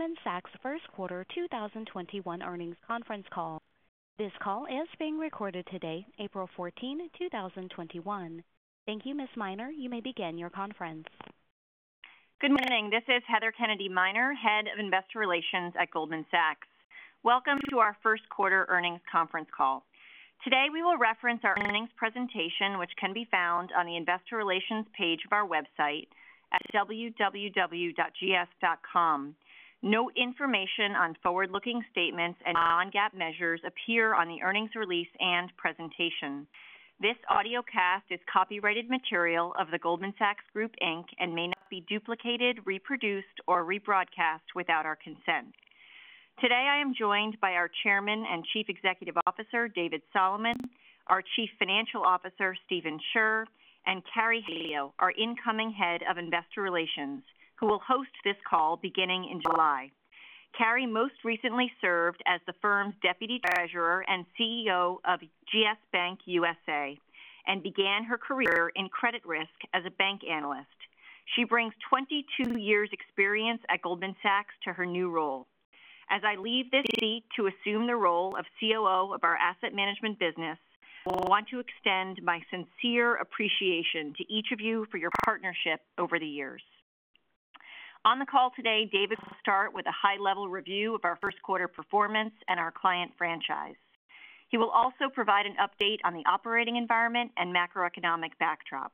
Goldman Sachs First Quarter 2021 Earnings Conference Call. This call is being recorded today, April 14, 2021. Thank you, Ms. Miner, you may begin your conference. Good morning. This is Heather Kennedy Miner, Head of Investor Relations at Goldman Sachs. Welcome to our first quarter earnings conference call. Today we will reference our earnings presentation, which can be found on the investor relations page of our website at www.gs.com. Note information on forward-looking statements and non-GAAP measures appear on the earnings release and presentation. This audiocast is copyrighted material of The Goldman Sachs Group, Inc. and may not be duplicated, reproduced, or rebroadcast without our consent. Today I am joined by our Chairman and Chief Executive Officer, David Solomon, our Chief Financial Officer, Stephen Scherr, and Carey Halio, our incoming Head of Investor Relations, who will host this call beginning in July. Carey most recently served as the firm's Deputy Treasurer and CEO of GS Bank USA, and began her career in credit risk as a bank analyst. She brings 22 years experience at Goldman Sachs to her new role. As I leave this city to assume the role of COO of our asset management business, I want to extend my sincere appreciation to each of you for your partnership over the years. On the call today, David will start with a high-level review of our first quarter performance and our client franchise. He will also provide an update on the operating environment and macroeconomic backdrop.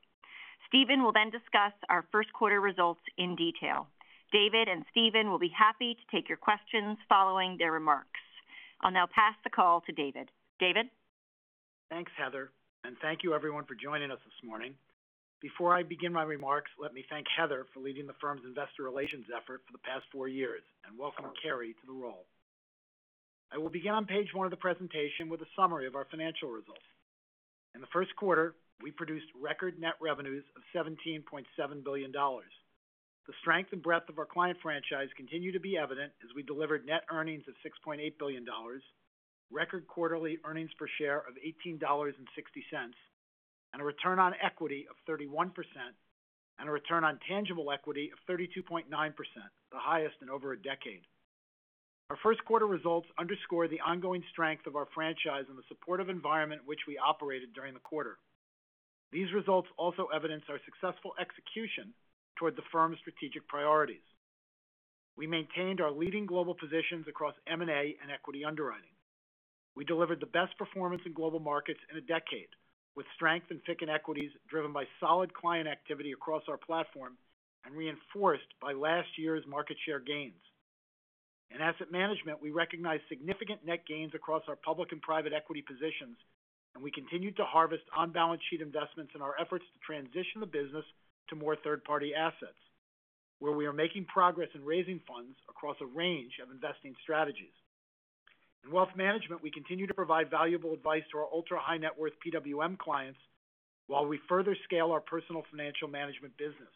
Stephen will then discuss our first quarter results in detail. David and Stephen will be happy to take your questions following their remarks. I'll now pass the call to David. David? Thanks, Heather. Thank you everyone for joining us this morning. Before I begin my remarks, let me thank Heather for leading the firm's Investor Relations effort for the past four years. Welcome Carey to the role. I will begin on page one of the presentation with a summary of our financial results. In the first quarter, we produced record net revenues of $17.7 billion. The strength and breadth of our client franchise continue to be evident as we delivered net earnings of $6.8 billion, record quarterly earnings per share of $18.60, a return on equity of 31%, and a return on tangible equity of 32.9%, the highest in over a decade. Our first quarter results underscore the ongoing strength of our franchise in the supportive environment which we operated during the quarter. These results also evidence our successful execution toward the firm's strategic priorities. We maintained our leading global positions across M&A and equity underwriting. We delivered the best performance in global markets in a decade, with strength in FICC and equities driven by solid client activity across our platform and reinforced by last year's market share gains. In asset management, we recognized significant net gains across our public and private equity positions, and we continued to harvest on-balance-sheet investments in our efforts to transition the business to more third-party assets, where we are making progress in raising funds across a range of investing strategies. In wealth management, we continue to provide valuable advice to our ultra high net worth PWM clients while we further scale our personal financial management business.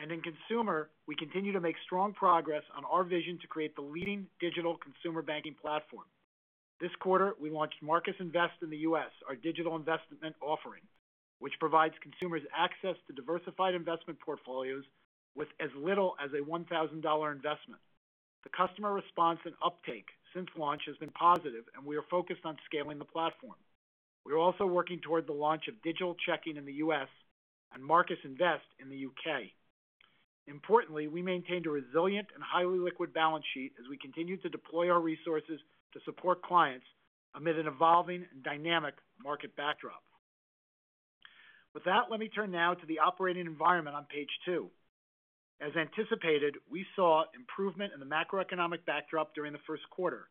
In consumer, we continue to make strong progress on our vision to create the leading digital consumer banking platform. This quarter, we launched Marcus Invest in the U.S., our digital investment offering, which provides consumers access to diversified investment portfolios with as little as a $1,000 investment. The customer response and uptake since launch has been positive, and we are focused on scaling the platform. We are also working toward the launch of digital checking in the U.S. and Marcus Invest in the U.K. Importantly, we maintained a resilient and highly liquid balance sheet as we continued to deploy our resources to support clients amid an evolving and dynamic market backdrop. With that, let me turn now to the operating environment on page two. As anticipated, we saw improvement in the macroeconomic backdrop during the first quarter,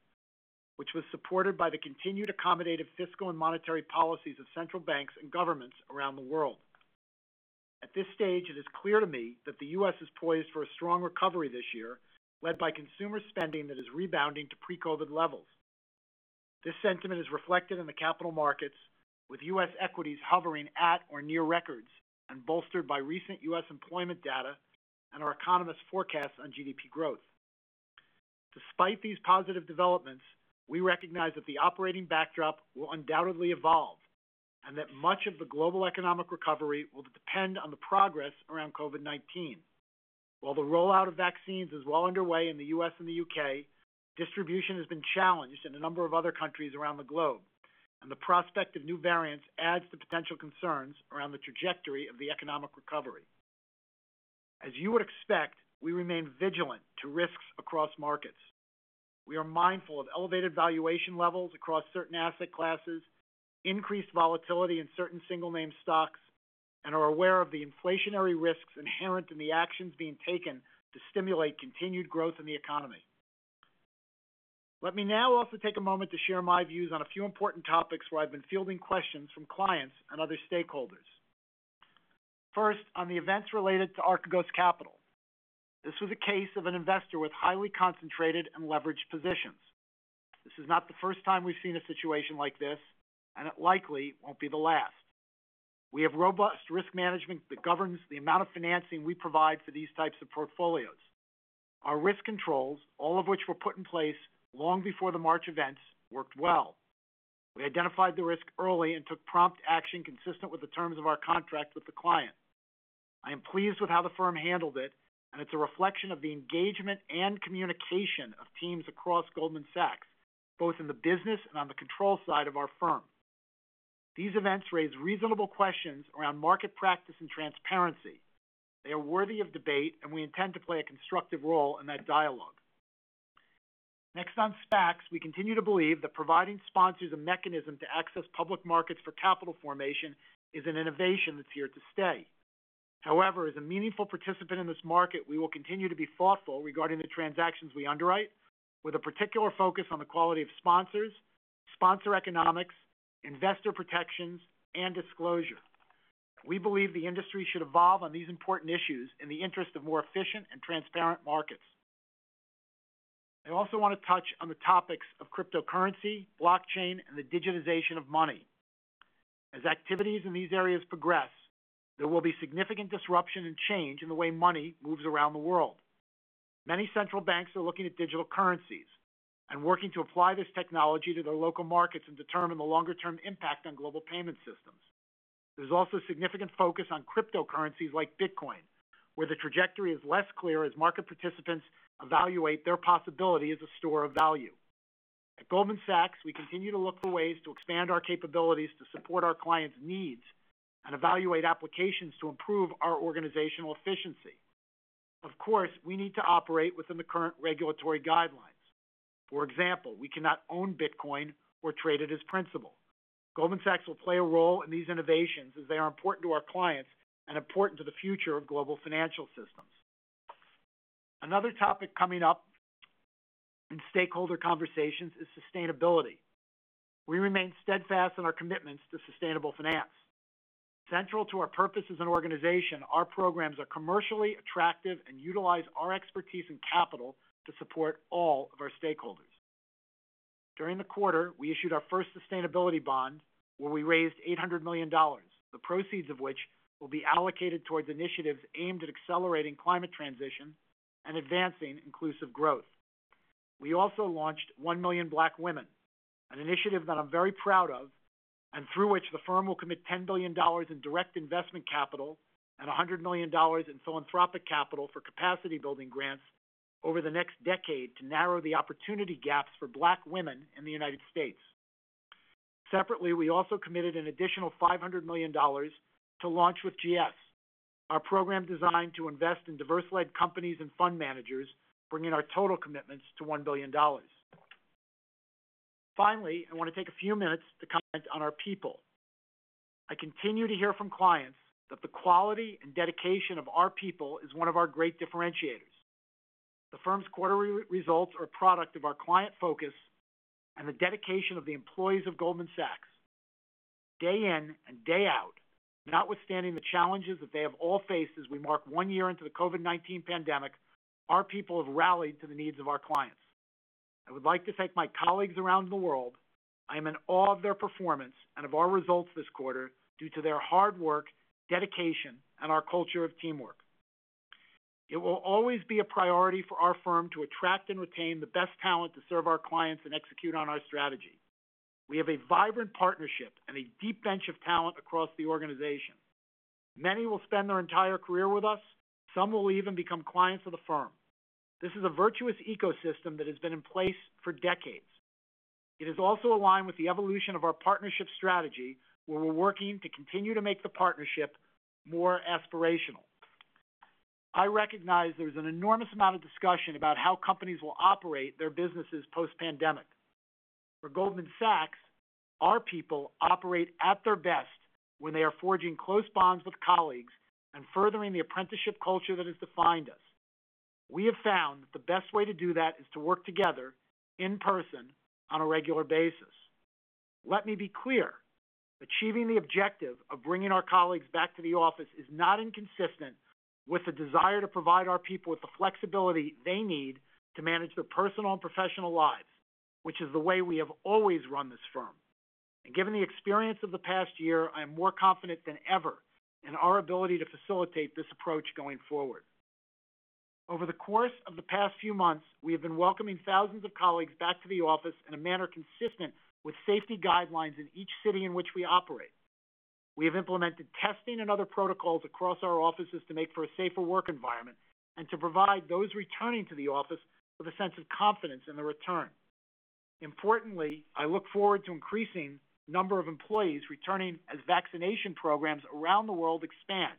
which was supported by the continued accommodative fiscal and monetary policies of central banks and governments around the world. At this stage, it is clear to me that the U.S. is poised for a strong recovery this year, led by consumer spending that is rebounding to pre-COVID-19 levels. This sentiment is reflected in the capital markets, with U.S. equities hovering at or near records and bolstered by recent U.S. employment data and our economists' forecasts on GDP growth. Despite these positive developments, we recognize that the operating backdrop will undoubtedly evolve and that much of the global economic recovery will depend on the progress around COVID-19. While the rollout of vaccines is well underway in the U.S. and the U.K., distribution has been challenged in a number of other countries around the globe, and the prospect of new variants adds to potential concerns around the trajectory of the economic recovery. As you would expect, we remain vigilant to risks across markets. We are mindful of elevated valuation levels across certain asset classes, increased volatility in certain single name stocks, and are aware of the inflationary risks inherent in the actions being taken to stimulate continued growth in the economy. Let me now also take a moment to share my views on a few important topics where I've been fielding questions from clients and other stakeholders. First, on the events related to Archegos Capital. This was a case of an investor with highly concentrated and leveraged positions. This is not the first time we've seen a situation like this, and it likely won't be the last. We have robust risk management that governs the amount of financing we provide for these types of portfolios. Our risk controls, all of which were put in place long before the March events, worked well. We identified the risk early and took prompt action consistent with the terms of our contract with the client. I am pleased with how the firm handled it, and it's a reflection of the engagement and communication of teams across Goldman Sachs, both in the business and on the control side of our firm. These events raise reasonable questions around market practice and transparency. They are worthy of debate, and we intend to play a constructive role in that dialogue. Next on SPACs, we continue to believe that providing sponsors a mechanism to access public markets for capital formation is an innovation that's here to stay. However, as a meaningful participant in this market, we will continue to be thoughtful regarding the transactions we underwrite, with a particular focus on the quality of sponsors, sponsor economics, investor protections, and disclosure. We believe the industry should evolve on these important issues in the interest of more efficient and transparent markets. I also want to touch on the topics of cryptocurrency, blockchain, and the digitization of money. As activities in these areas progress, there will be significant disruption and change in the way money moves around the world. Many central banks are looking at digital currencies and working to apply this technology to their local markets and determine the longer-term impact on global payment systems. There's also significant focus on cryptocurrencies like Bitcoin, where the trajectory is less clear as market participants evaluate their possibility as a store of value. At Goldman Sachs, we continue to look for ways to expand our capabilities to support our clients' needs and evaluate applications to improve our organizational efficiency. Of course, we need to operate within the current regulatory guidelines. For example, we cannot own Bitcoin or trade it as principal. Goldman Sachs will play a role in these innovations as they are important to our clients and important to the future of global financial systems. Another topic coming up in stakeholder conversations is sustainability. We remain steadfast in our commitments to sustainable finance. Central to our purpose as an organization, our programs are commercially attractive and utilize our expertise and capital to support all of our stakeholders. During the quarter, we issued our first sustainability bond, where we raised $800 million, the proceeds of which will be allocated towards initiatives aimed at accelerating climate transition and advancing inclusive growth. We also launched One Million Black Women, an initiative that I'm very proud of, and through which the firm will commit $10 billion in direct investment capital and $100 million in philanthropic capital for capacity-building grants over the next decade to narrow the opportunity gaps for Black women in the United States. Separately, we also committed an additional $500 million to Launch With GS, our program designed to invest in diverse-led companies and fund managers, bringing our total commitments to $1 billion. Finally, I want to take a few minutes to comment on our people. I continue to hear from clients that the quality and dedication of our people is one of our great differentiators. The firm's quarterly results are a product of our client focus and the dedication of the employees of Goldman Sachs. Day in and day out, notwithstanding the challenges that they have all faced as we mark one year into the COVID-19 pandemic, our people have rallied to the needs of our clients. I would like to thank my colleagues around the world. I am in awe of their performance and of our results this quarter due to their hard work, dedication, and our culture of teamwork. It will always be a priority for our firm to attract and retain the best talent to serve our clients and execute on our strategy. We have a vibrant partnership and a deep bench of talent across the organization. Many will spend their entire career with us. Some will even become clients of the firm. This is a virtuous ecosystem that has been in place for decades. It is also aligned with the evolution of our partnership strategy, where we're working to continue to make the partnership more aspirational. I recognize there's an enormous amount of discussion about how companies will operate their businesses post-pandemic. For Goldman Sachs, our people operate at their best when they are forging close bonds with colleagues and furthering the apprenticeship culture that has defined us. We have found that the best way to do that is to work together in person on a regular basis. Let me be clear. Achieving the objective of bringing our colleagues back to the office is not inconsistent with the desire to provide our people with the flexibility they need to manage their personal and professional lives, which is the way we have always run this firm. Given the experience of the past year, I am more confident than ever in our ability to facilitate this approach going forward. Over the course of the past few months, we have been welcoming thousands of colleagues back to the office in a manner consistent with safety guidelines in each city in which we operate. We have implemented testing and other protocols across our offices to make for a safer work environment and to provide those returning to the office with a sense of confidence in their return. Importantly, I look forward to increasing the number of employees returning as vaccination programs around the world expand,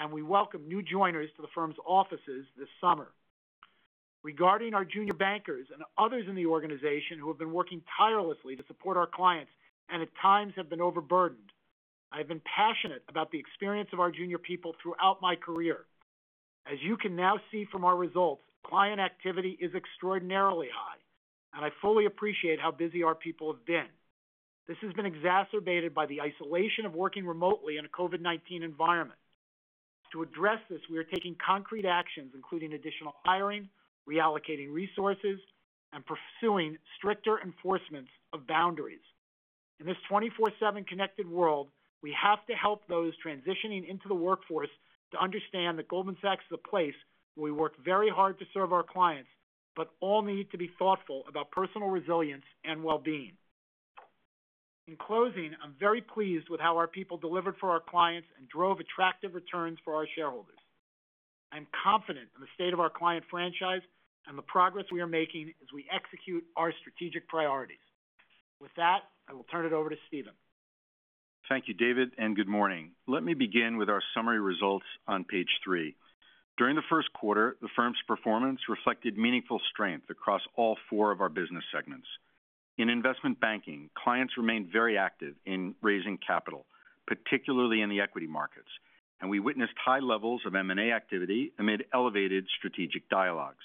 and we welcome new joiners to the firm's offices this summer. Regarding our junior bankers and others in the organization who have been working tirelessly to support our clients and at times have been overburdened, I have been passionate about the experience of our junior people throughout my career. As you can now see from our results, client activity is extraordinarily high, and I fully appreciate how busy our people have been. This has been exacerbated by the isolation of working remotely in a COVID-19 environment. To address this, we are taking concrete actions including additional hiring, reallocating resources, and pursuing stricter enforcements of boundaries. In this 24/7 connected world, we have to help those transitioning into the workforce to understand that Goldman Sachs is a place where we work very hard to serve our clients, but all need to be thoughtful about personal resilience and well-being. In closing, I'm very pleased with how our people delivered for our clients and drove attractive returns for our shareholders. I'm confident in the state of our client franchise and the progress we are making as we execute our strategic priorities. With that, I will turn it over to Stephen. Thank you, David, and good morning. Let me begin with our summary results on page three. During the first quarter, the firm's performance reflected meaningful strength across all four of our business segments. In Investment Banking, clients remained very active in raising capital, particularly in the equity markets, and we witnessed high levels of M&A activity amid elevated strategic dialogues.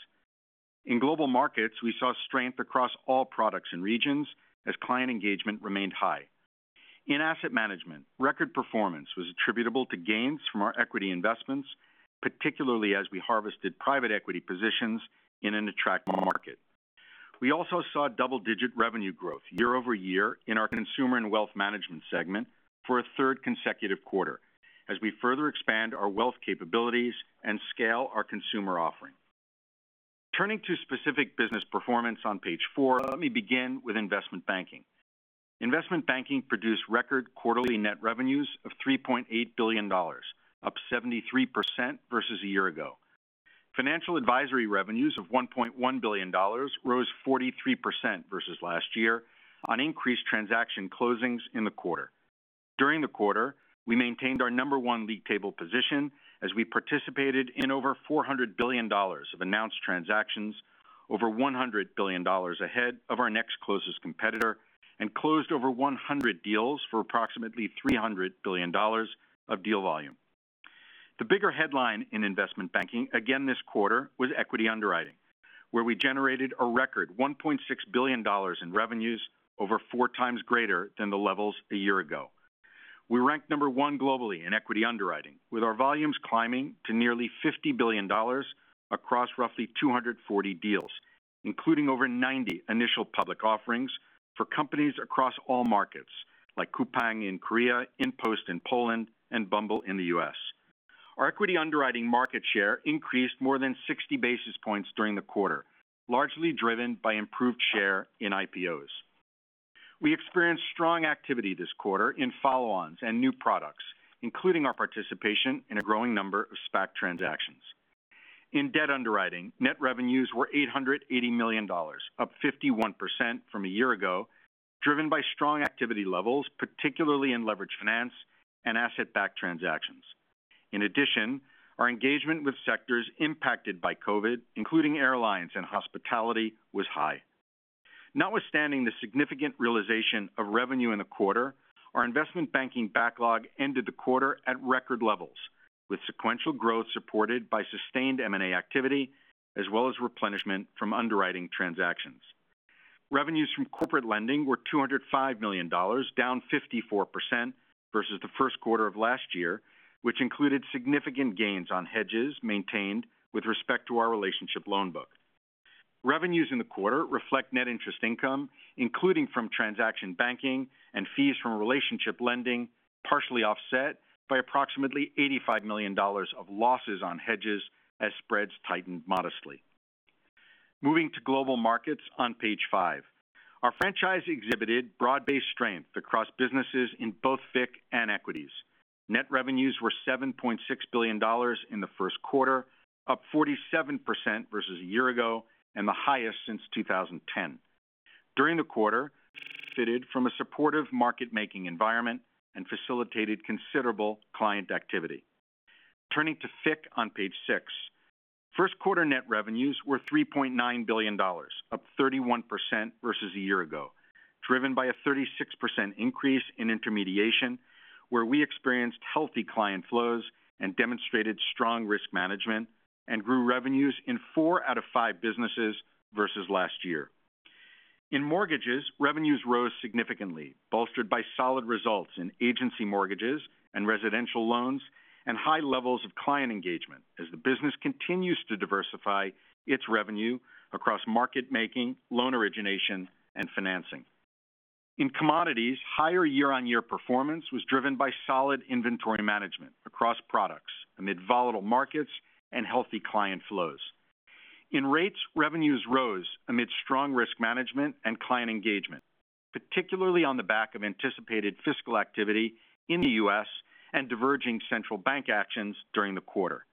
In Global Markets, we saw strength across all products and regions as client engagement remained high. In Asset Management, record performance was attributable to gains from our equity investments, particularly as we harvested private equity positions in an attractive market. We also saw double-digit revenue growth year-over-year in our Consumer and Wealth Management segment for a third consecutive quarter, as we further expand our wealth capabilities and scale our consumer offering. Turning to specific business performance on page four, let me begin with Investment Banking. Investment banking produced record quarterly net revenues of $3.8 billion, up 73% versus a year ago. Financial advisory revenues of $1.1 billion rose 43% versus last year on increased transaction closings in the quarter. During the quarter, we maintained our number one league table position as we participated in over $400 billion of announced transactions, over $100 billion ahead of our next closest competitor, and closed over 100 deals for approximately $300 billion of deal volume. The bigger headline in investment banking again this quarter was equity underwriting, where we generated a record $1.6 billion in revenues over 4x greater than the levels a year ago. We ranked number one globally in equity underwriting, with our volumes climbing to nearly $50 billion across roughly 240 deals, including over 90 initial public offerings for companies across all markets like Coupang in Korea, InPost in Poland, and Bumble in the U.S. Our equity underwriting market share increased more than 60 basis points during the quarter, largely driven by improved share in IPOs. We experienced strong activity this quarter in follow-ons and new products, including our participation in a growing number of SPAC transactions. In debt underwriting, net revenues were $880 million, up 51% from a year ago, driven by strong activity levels, particularly in leveraged finance and asset-backed transactions. In addition, our engagement with sectors impacted by COVID-19, including airlines and hospitality, was high. Notwithstanding the significant realization of revenue in the quarter, our investment banking backlog ended the quarter at record levels, with sequential growth supported by sustained M&A activity as well as replenishment from underwriting transactions. Revenues from corporate lending were $205 million, down 54% versus the first quarter of last year, which included significant gains on hedges maintained with respect to our relationship loan book. Revenues in the quarter reflect net interest income, including from transaction banking and fees from relationship lending, partially offset by approximately $85 million of losses on hedges as spreads tightened modestly. Moving to Global Markets on page five. Our franchise exhibited broad-based strength across businesses in both FICC and Equities. Net revenues were $7.6 billion in the first quarter, up 47% versus a year ago and the highest since 2010. During the quarter, we benefited from a supportive market-making environment and facilitated considerable client activity. Turning to FICC on page six. First quarter net revenues were $3.9 billion, up 31% versus a year ago, driven by a 36% increase in intermediation, where we experienced healthy client flows and demonstrated strong risk management and grew revenues in four out of five businesses versus last year. In mortgages, revenues rose significantly, bolstered by solid results in agency mortgages and residential loans and high levels of client engagement as the business continues to diversify its revenue across market making, loan origination, and financing. In commodities, higher year-on-year performance was driven by solid inventory management across products amid volatile markets and healthy client flows. In rates, revenues rose amid strong risk management and client engagement, particularly on the back of anticipated fiscal activity in the U.S. and diverging central bank actions during the quarter.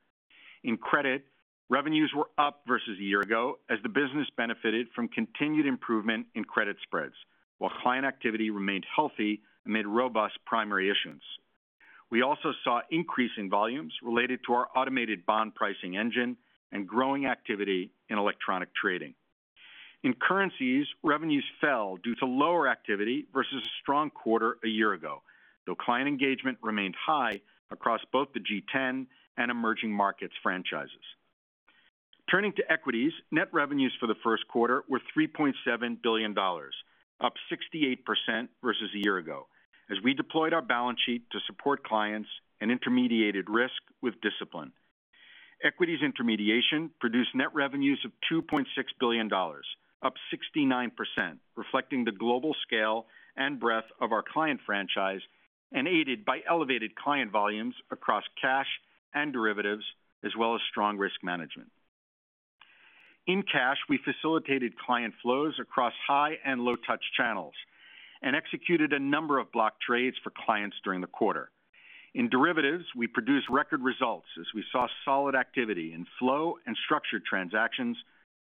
In credit, revenues were up versus a year ago as the business benefited from continued improvement in credit spreads while client activity remained healthy amid robust primary issuance. We also saw increasing volumes related to our automated bond pricing engine and growing activity in electronic trading. In currencies, revenues fell due to lower activity versus a strong quarter a year ago, though client engagement remained high across both the G10 and emerging markets franchises. Turning to equities, net revenues for the first quarter were $3.7 billion, up 68% versus a year ago as we deployed our balance sheet to support clients and intermediated risk with discipline. Equities intermediation produced net revenues of $2.6 billion, up 69%, reflecting the global scale and breadth of our client franchise and aided by elevated client volumes across cash and derivatives, as well as strong risk management. In cash, we facilitated client flows across high and low touch channels and executed a number of block trades for clients during the quarter. In derivatives, we produced record results as we saw solid activity in flow and structured transactions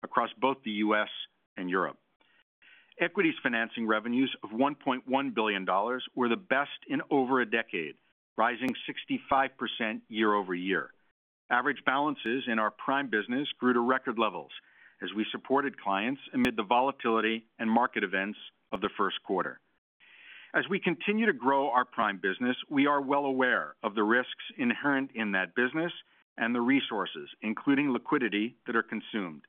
across both the U.S. and Europe. Equities financing revenues of $1.1 billion were the best in over a decade, rising 65% year-over-year. Average balances in our prime business grew to record levels as we supported clients amid the volatility and market events of the first quarter. As we continue to grow our prime business, we are well aware of the risks inherent in that business and the resources, including liquidity, that are consumed.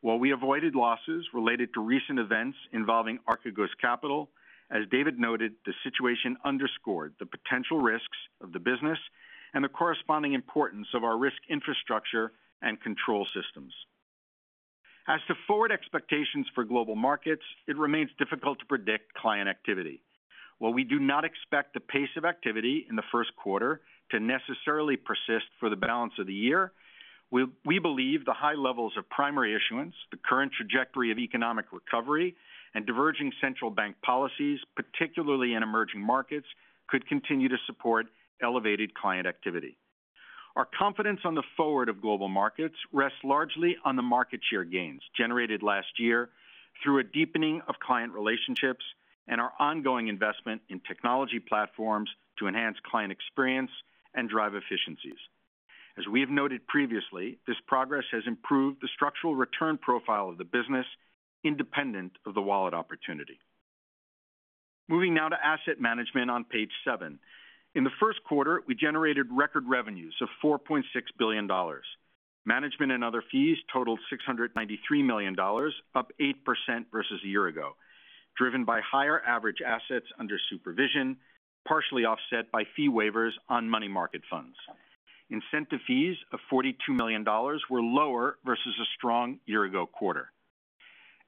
While we avoided losses related to recent events involving Archegos Capital, as David noted, the situation underscored the potential risks of the business and the corresponding importance of our risk infrastructure and control systems. As to forward expectations for global markets, it remains difficult to predict client activity. While we do not expect the pace of activity in the first quarter to necessarily persist for the balance of the year, we believe the high levels of primary issuance, the current trajectory of economic recovery, and diverging central bank policies, particularly in emerging markets, could continue to support elevated client activity. Our confidence on the forward of global markets rests largely on the market share gains generated last year through a deepening of client relationships and our ongoing investment in technology platforms to enhance client experience and drive efficiencies. As we have noted previously, this progress has improved the structural return profile of the business independent of the wallet opportunity. Moving now to asset management on page seven. In the first quarter, we generated record revenues of $4.6 billion. Management and other fees totaled $693 million, up 8% versus a year ago, driven by higher average assets under supervision, partially offset by fee waivers on money market funds. Incentive fees of $42 million were lower versus a strong year-ago quarter.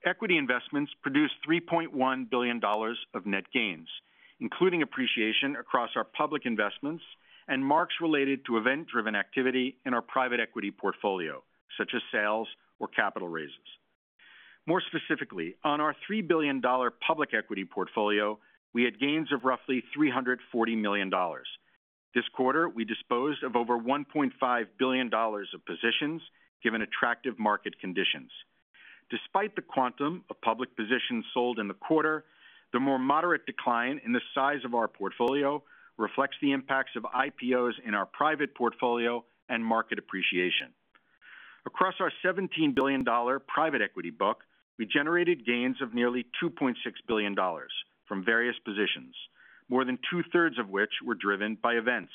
Equity investments produced $3.1 billion of net gains, including appreciation across our public investments and marks related to event-driven activity in our private equity portfolio, such as sales or capital raises. More specifically, on our $3 billion public equity portfolio, we had gains of roughly $340 million. This quarter, we disposed of over $1.5 billion of positions given attractive market conditions. Despite the quantum of public positions sold in the quarter, the more moderate decline in the size of our portfolio reflects the impacts of IPOs in our private portfolio and market appreciation. Across our $17 billion private equity book, we generated gains of nearly $2.6 billion from various positions, more than 2/3 of which were driven by events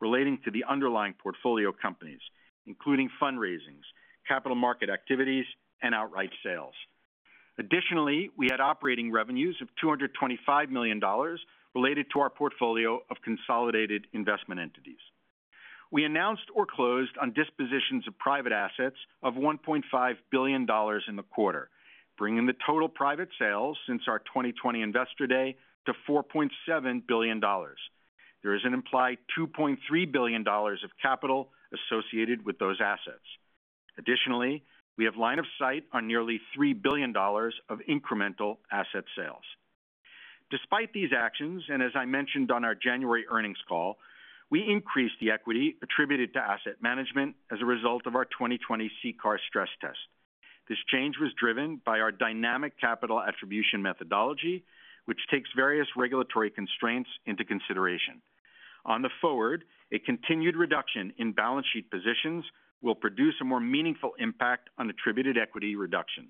relating to the underlying portfolio companies, including fundraisings, capital market activities, and outright sales. Additionally, we had operating revenues of $225 million related to our portfolio of consolidated investment entities. We announced or closed on dispositions of private assets of $1.5 billion in the quarter, bringing the total private sales since our 2020 Investor Day to $4.7 billion. There is an implied $2.3 billion of capital associated with those assets. Additionally, we have line of sight on nearly $3 billion of incremental asset sales. Despite these actions, and as I mentioned on our January earnings call, we increased the equity attributed to asset management as a result of our 2020 CCAR stress test. This change was driven by our dynamic capital attribution methodology, which takes various regulatory constraints into consideration. On the forward, a continued reduction in balance sheet positions will produce a more meaningful impact on attributed equity reduction.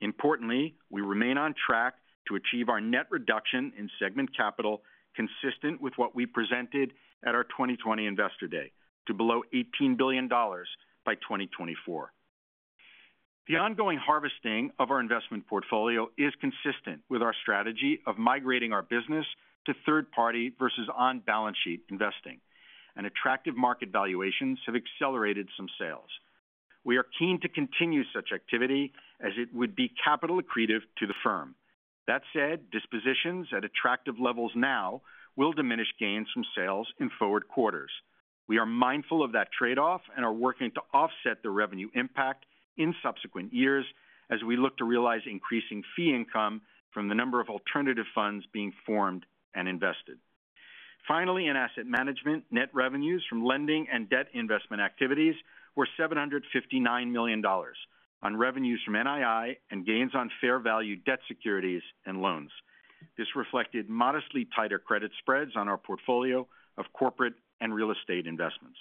Importantly, we remain on track to achieve our net reduction in segment capital consistent with what we presented at our 2020 Investor Day to below $18 billion by 2024. The ongoing harvesting of our investment portfolio is consistent with our strategy of migrating our business to third party versus on-balance sheet investing, and attractive market valuations have accelerated some sales. We are keen to continue such activity, as it would be capital accretive to the firm. That said, dispositions at attractive levels now will diminish gains from sales in forward quarters. We are mindful of that trade-off and are working to offset the revenue impact in subsequent years as we look to realize increasing fee income from the number of alternative funds being formed and invested. Finally, in asset management, net revenues from lending and debt investment activities were $759 million on revenues from NII and gains on fair value debt securities and loans. This reflected modestly tighter credit spreads on our portfolio of corporate and real estate investments.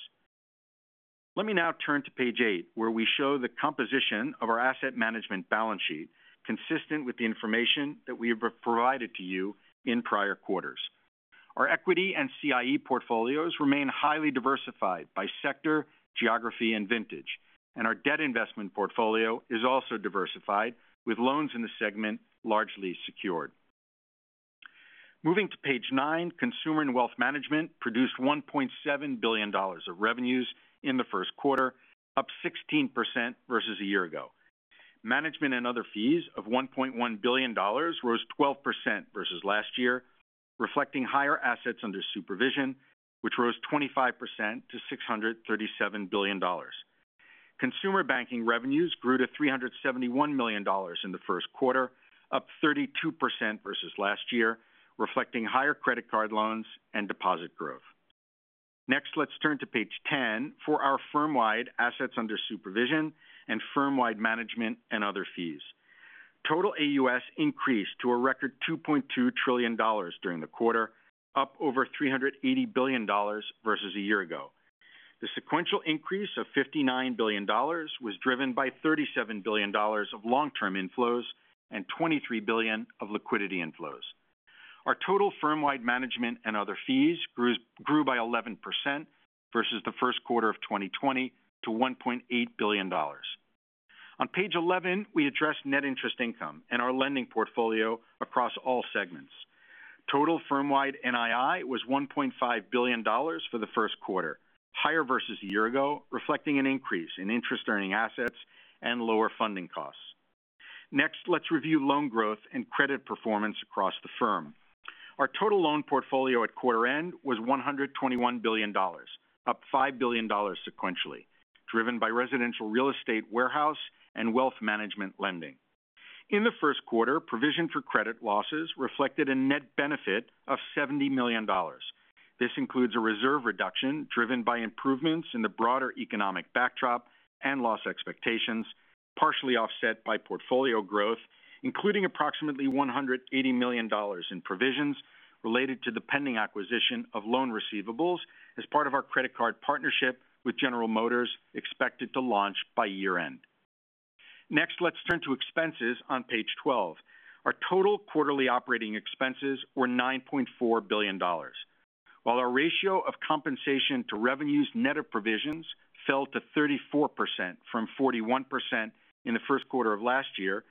Let me now turn to page eight, where we show the composition of our asset management balance sheet consistent with the information that we have provided to you in prior quarters. Our equity and CIE portfolios remain highly diversified by sector, geography, and vintage, and our debt investment portfolio is also diversified, with loans in the segment largely secured. Moving to page nine, consumer and wealth management produced $1.7 billion of revenues in the first quarter, up 16% versus a year ago. Management and other fees of $1.1 billion rose 12% versus last year. Reflecting higher assets under supervision, which rose 25% to $637 billion. Consumer banking revenues grew to $371 million in the first quarter, up 32% versus last year, reflecting higher credit card loans and deposit growth. Next, let's turn to page 10 for our firm-wide assets under supervision and firm-wide management and other fees. Total AUS increased to a record $2.2 trillion during the quarter, up over $380 billion versus a year ago. The sequential increase of $59 billion was driven by $37 billion of long-term inflows and $23 billion of liquidity inflows. Our total firm-wide management and other fees grew by 11% versus the first quarter of 2020 to $1.8 billion. On page 11, we address net interest income and our lending portfolio across all segments. Total firm-wide NII was $1.5 billion for the first quarter, higher versus a year ago, reflecting an increase in interest-earning assets and lower funding costs. Let's review loan growth and credit performance across the firm. Our total loan portfolio at quarter end was $121 billion, up $5 billion sequentially, driven by residential real estate warehouse and wealth management lending. In the first quarter, provision for credit losses reflected a net benefit of $70 million. This includes a reserve reduction driven by improvements in the broader economic backdrop and loss expectations, partially offset by portfolio growth, including approximately $180 million in provisions related to the pending acquisition of loan receivables as part of our credit card partnership with General Motors, expected to launch by year end. Let's turn to expenses on page 12. Our total quarterly operating expenses were $9.4 billion. While our ratio of compensation to revenues net of provisions fell to 34% from 41% in the first quarter of last year,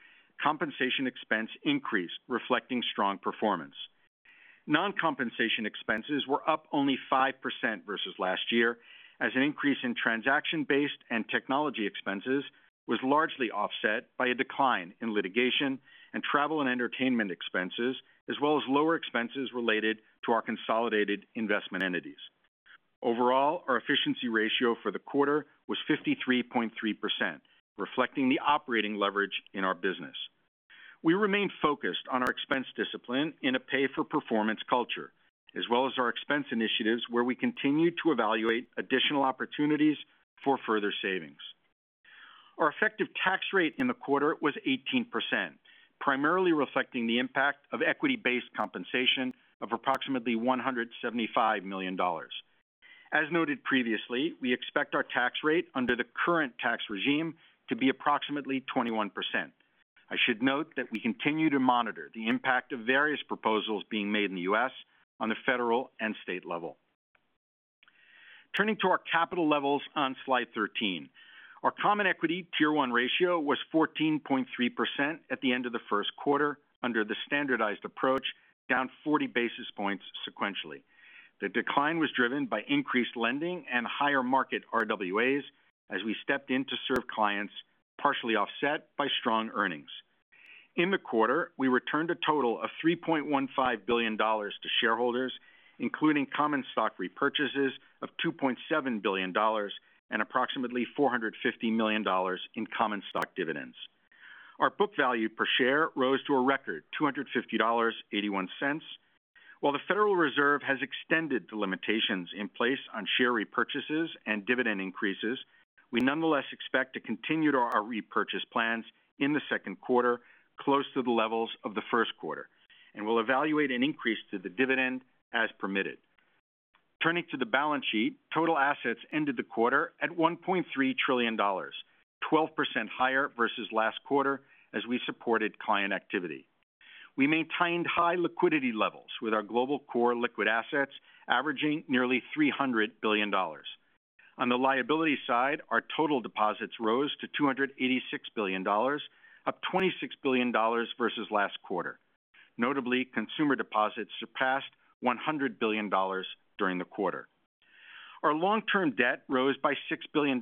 compensation expense increased, reflecting strong performance. Non-compensation expenses were up only 5% versus last year, as an increase in transaction-based and technology expenses was largely offset by a decline in litigation and travel and entertainment expenses, as well as lower expenses related to our consolidated investment entities. Overall, our efficiency ratio for the quarter was 53.3%, reflecting the operating leverage in our business. We remain focused on our expense discipline in a pay-for-performance culture, as well as our expense initiatives where we continue to evaluate additional opportunities for further savings. Our effective tax rate in the quarter was 18%, primarily reflecting the impact of equity-based compensation of approximately $175 million. As noted previously, we expect our tax rate under the current tax regime to be approximately 21%. I should note that we continue to monitor the impact of various proposals being made in the U.S. on the federal and state level. Turning to our capital levels on slide 13. Our common equity Tier 1 ratio was 14.3% at the end of the first quarter under the standardized approach, down 40 basis points sequentially. The decline was driven by increased lending and higher market RWAs as we stepped in to serve clients, partially offset by strong earnings. In the quarter, we returned a total of $3.15 billion to shareholders, including common stock repurchases of $2.7 billion and approximately $450 million in common stock dividends. Our book value per share rose to a record $250.81. While the Federal Reserve has extended the limitations in place on share repurchases and dividend increases, we nonetheless expect to continue our repurchase plans in the second quarter close to the levels of the first quarter, and will evaluate an increase to the dividend as permitted. Turning to the balance sheet, total assets ended the quarter at $1.3 trillion, 12% higher versus last quarter as we supported client activity. We maintained high liquidity levels with our global core liquid assets averaging nearly $300 billion. On the liability side, our total deposits rose to $286 billion, up $26 billion versus last quarter. Notably, consumer deposits surpassed $100 billion during the quarter. Our long-term debt rose by $6 billion,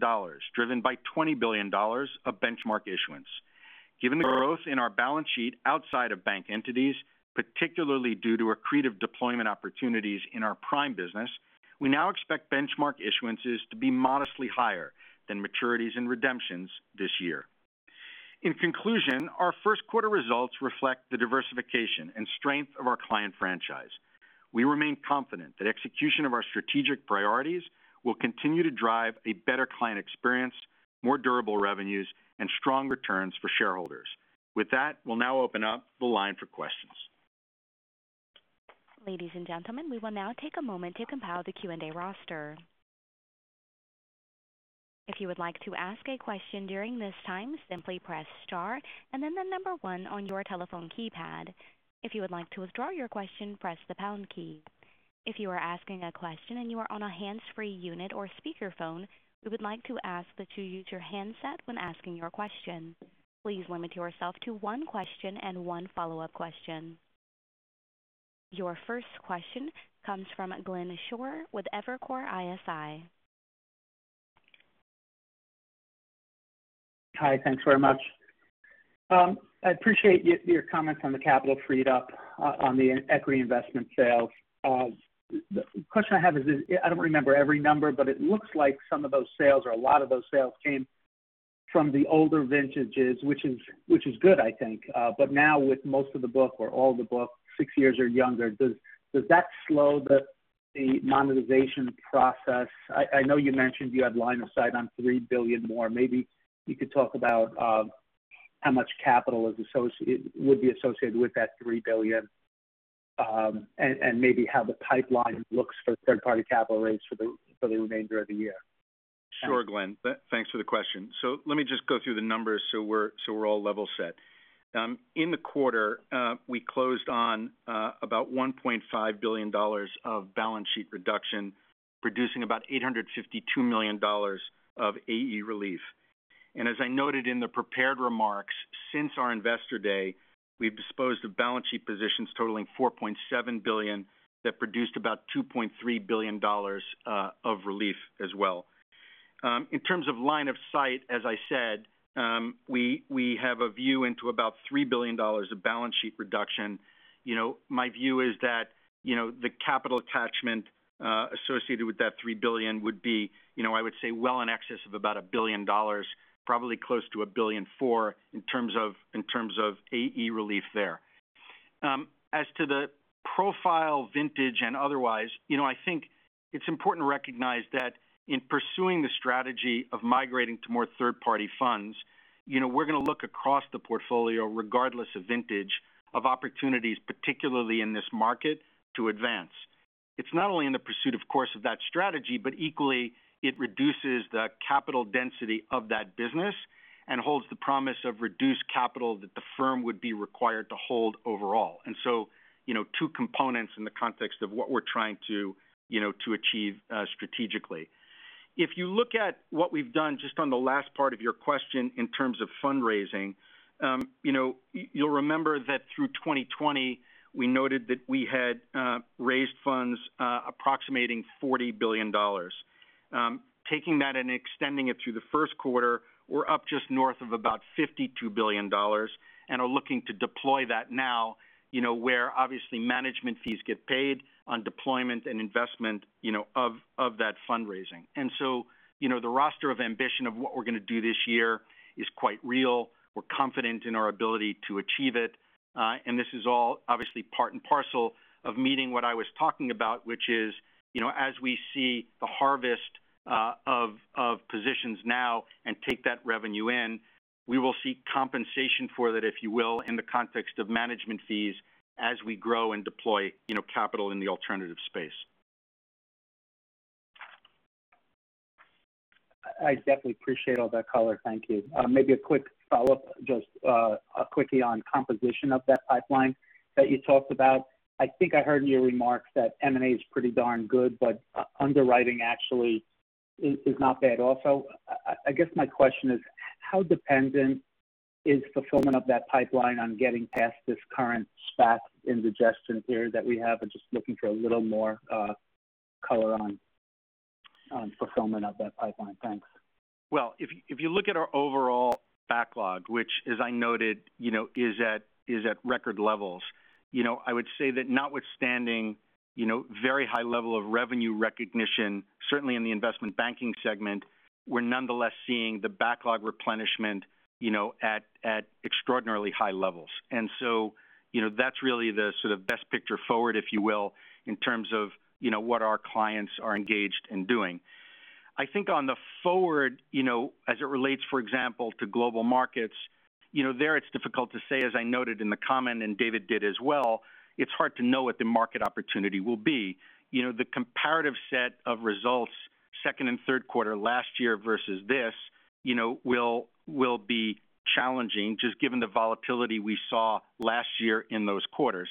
driven by $20 billion of benchmark issuance. Given the growth in our balance sheet outside of bank entities, particularly due to accretive deployment opportunities in our Prime Business, we now expect benchmark issuances to be modestly higher than maturities and redemptions this year. In conclusion, our first quarter results reflect the diversification and strength of our client franchise. We remain confident that execution of our strategic priorities will continue to drive a better client experience, more durable revenues, and strong returns for shareholders. With that, we'll now open up the line for questions. Ladies and gentlemen, we will now take a moment to compile the Q&A roster. If you would like to ask a question during this time, simply press star and then the number one on your telephone keypad. If you would like to withdraw your question, press the pound key. If you are asking a question and you are on a hands-free unit or speakerphone, we would like to ask that you use your handset when asking your question. Please limit yourself to one question and one follow-up question. Your first question comes from Glenn Schorr with Evercore ISI. Hi, thanks very much. I appreciate your comments on the capital freed up on the equity investment sales. The question I have is, I don't remember every number, but it looks like some of those sales or a lot of those sales came from the older vintages, which is good, I think. Now with most of the book or all the book, six years or younger, does that slow the monetization process? I know you mentioned you had line of sight on $3 billion more. Maybe you could talk about how much capital would be associated with that $3 billion, and maybe how the pipeline looks for third-party capital raise for the remainder of the year. Thanks. Sure, Glenn. Thanks for the question. Let me just go through the numbers so we're all level set. In the quarter, we closed on about $1.5 billion of balance sheet reduction, reducing about $852 million of AE relief. As I noted in the prepared remarks, since our Investor Day, we've disposed of balance sheet positions totaling $4.7 billion that produced about $2.3 billion of relief as well. In terms of line of sight, as I said, we have a view into about $3 billion of balance sheet reduction. My view is that the capital attachment associated with that $3 billion would be, I would say, well in excess of about $1 billion, probably close to $1.4 billion in terms of AE relief there. As to the profile vintage and otherwise, I think it's important to recognize that in pursuing the strategy of migrating to more third-party funds, we're going to look across the portfolio regardless of vintage of opportunities, particularly in this market, to advance. It's not only in the pursuit, of course, of that strategy, but equally it reduces the capital density of that business and holds the promise of reduced capital that the firm would be required to hold overall. Two components in the context of what we're trying to achieve strategically. If you look at what we've done, just on the last part of your question in terms of fundraising, you'll remember that through 2020, we noted that we had raised funds approximating $40 billion. Taking that and extending it through the first quarter, we're up just north of about $52 billion and are looking to deploy that now where obviously management fees get paid on deployment and investment of that fundraising. The roster of ambition of what we're going to do this year is quite real. We're confident in our ability to achieve it. This is all obviously part and parcel of meeting what I was talking about, which is, as we see the harvest of positions now and take that revenue in, we will seek compensation for that, if you will, in the context of management fees as we grow and deploy capital in the alternative space. I definitely appreciate all that color. Thank you. Maybe a quick follow-up, just quickly on composition of that pipeline that you talked about. I think I heard in your remarks that M&A is pretty darn good, but underwriting actually is not bad also. I guess my question is, how dependent is fulfillment of that pipeline on getting past this current SPAC indigestion period that we have? I'm just looking for a little more color on fulfillment of that pipeline. Thanks. If you look at our overall backlog, which as I noted, is at record levels. I would say that notwithstanding very high level of revenue recognition, certainly in the investment banking segment, we're nonetheless seeing the backlog replenishment at extraordinarily high levels. That's really the sort of best picture forward, if you will, in terms of what our clients are engaged in doing. On the forward, as it relates, for example, to global markets, there it's difficult to say, as I noted in the comment, and David did as well, it's hard to know what the market opportunity will be. The comparative set of results second and third quarter last year versus this will be challenging just given the volatility we saw last year in those quarters.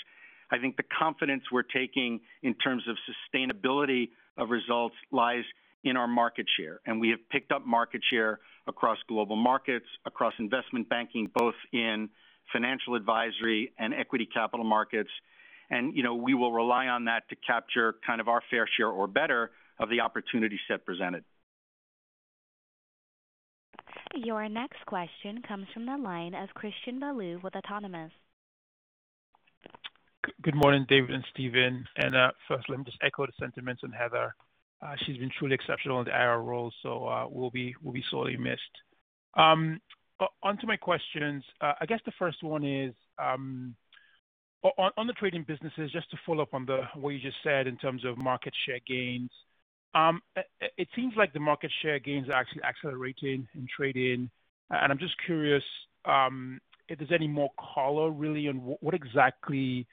The confidence we're taking in terms of sustainability of results lies in our market share. We have picked up market share across global markets, across investment banking, both in financial advisory and equity capital markets. We will rely on that to capture kind of our fair share or better of the opportunity set presented. Your next question comes from the line of Christian Bolu with Autonomous. Good morning, David and Stephen. First let me just echo the sentiments on Heather. She's been truly exceptional in the IR role, so will be sorely missed. On to my questions. I guess the first one is, on the trading businesses, just to follow up on what you just said in terms of market share gains. It seems like the market share gains are actually accelerating in trading. I'm just curious if there's any more color really on what exactly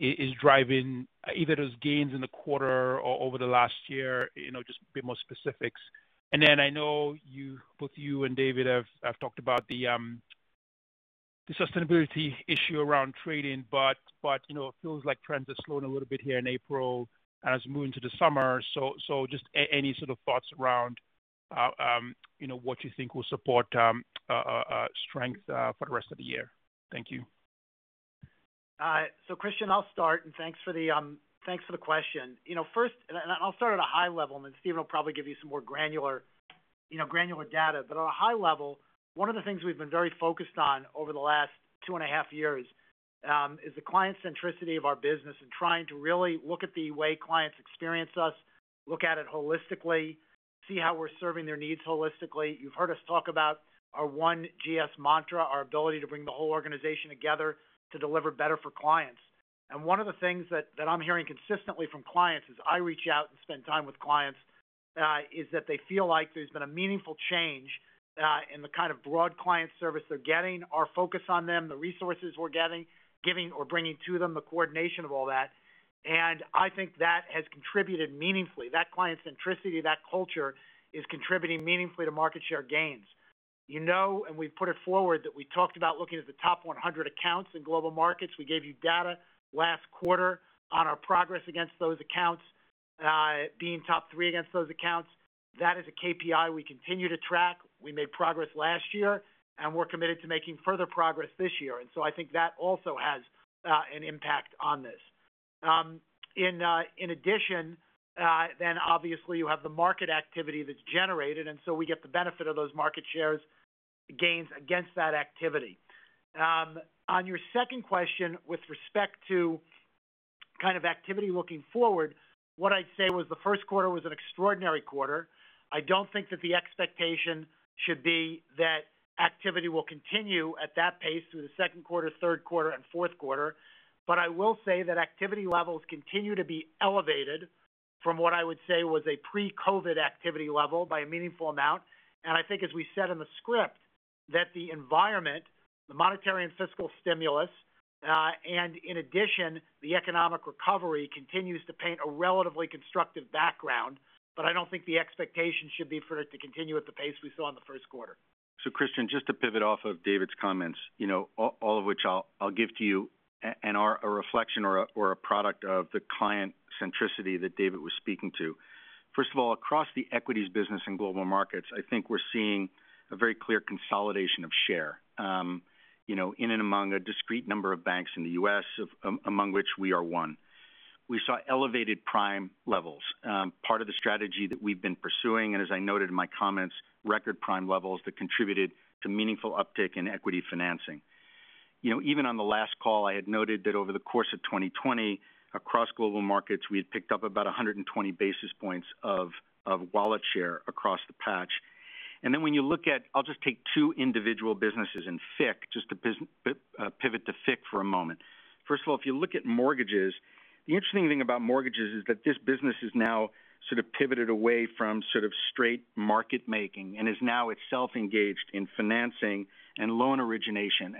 is driving either those gains in the quarter or over the last year, just a bit more specifics. I know both you and David have talked about the sustainability issue around trading, but it feels like trends have slowed a little bit here in April as we move into the summer. Just any sort of thoughts around what you think will support strength for the rest of the year. Thank you. Christian, I'll start, and thanks for the question. First, I'll start at a high level, and then Stephen will probably give you some more granular data. At a high level, one of the things we've been very focused on over the last two and a half years is the client centricity of our business and trying to really look at the way clients experience us, look at it holistically, see how we're serving their needs holistically. You've heard us talk about our One GS mantra, our ability to bring the whole organization together to deliver better for clients. One of the things that I'm hearing consistently from clients as I reach out and spend time with clients, is that they feel like there's been a meaningful change, in the kind of broad client service they're getting, our focus on them, the resources we're giving or bringing to them, the coordination of all that. I think that has contributed meaningfully. That client centricity, that culture, is contributing meaningfully to market share gains. You know, we've put it forward, that we talked about looking at the top 100 accounts in global markets. We gave you data last quarter on our progress against those accounts, being top three against those accounts. That is a KPI we continue to track. We made progress last year, and we're committed to making further progress this year. I think that also has an impact on this. In addition, obviously you have the market activity that's generated, we get the benefit of those market share gains against that activity. On your second question, with respect to kind of activity looking forward, what I'd say was the first quarter was an extraordinary quarter. I don't think that the expectation should be that activity will continue at that pace through the second quarter, third quarter, and fourth quarter. I will say that activity levels continue to be elevated from what I would say was a pre-COVID activity level by a meaningful amount. I think, as we said in the script, that the environment, the monetary and fiscal stimulus, in addition, the economic recovery, continues to paint a relatively constructive background. I don't think the expectation should be for it to continue at the pace we saw in the first quarter. Christian, just to pivot off of David's comments, all of which I'll give to you and are a reflection or a product of the client centricity that David was speaking to. Across the equities business and Global Markets, I think we're seeing a very clear consolidation of share. In and among a discrete number of banks in the U.S., among which we are one. We saw elevated prime levels. Part of the strategy that we've been pursuing, and as I noted in my comments, record prime levels that contributed to meaningful uptick in equity financing. Even on the last call, I had noted that over the course of 2020, across Global Markets, we had picked up about 120 basis points of wallet share across the patch. When you look at, I'll just take two individual businesses in FICC, just to pivot to FICC for a moment. First of all, if you look at mortgages, the interesting thing about mortgages is that this business has now sort of pivoted away from sort of straight market making and is now itself engaged in financing and loan origination.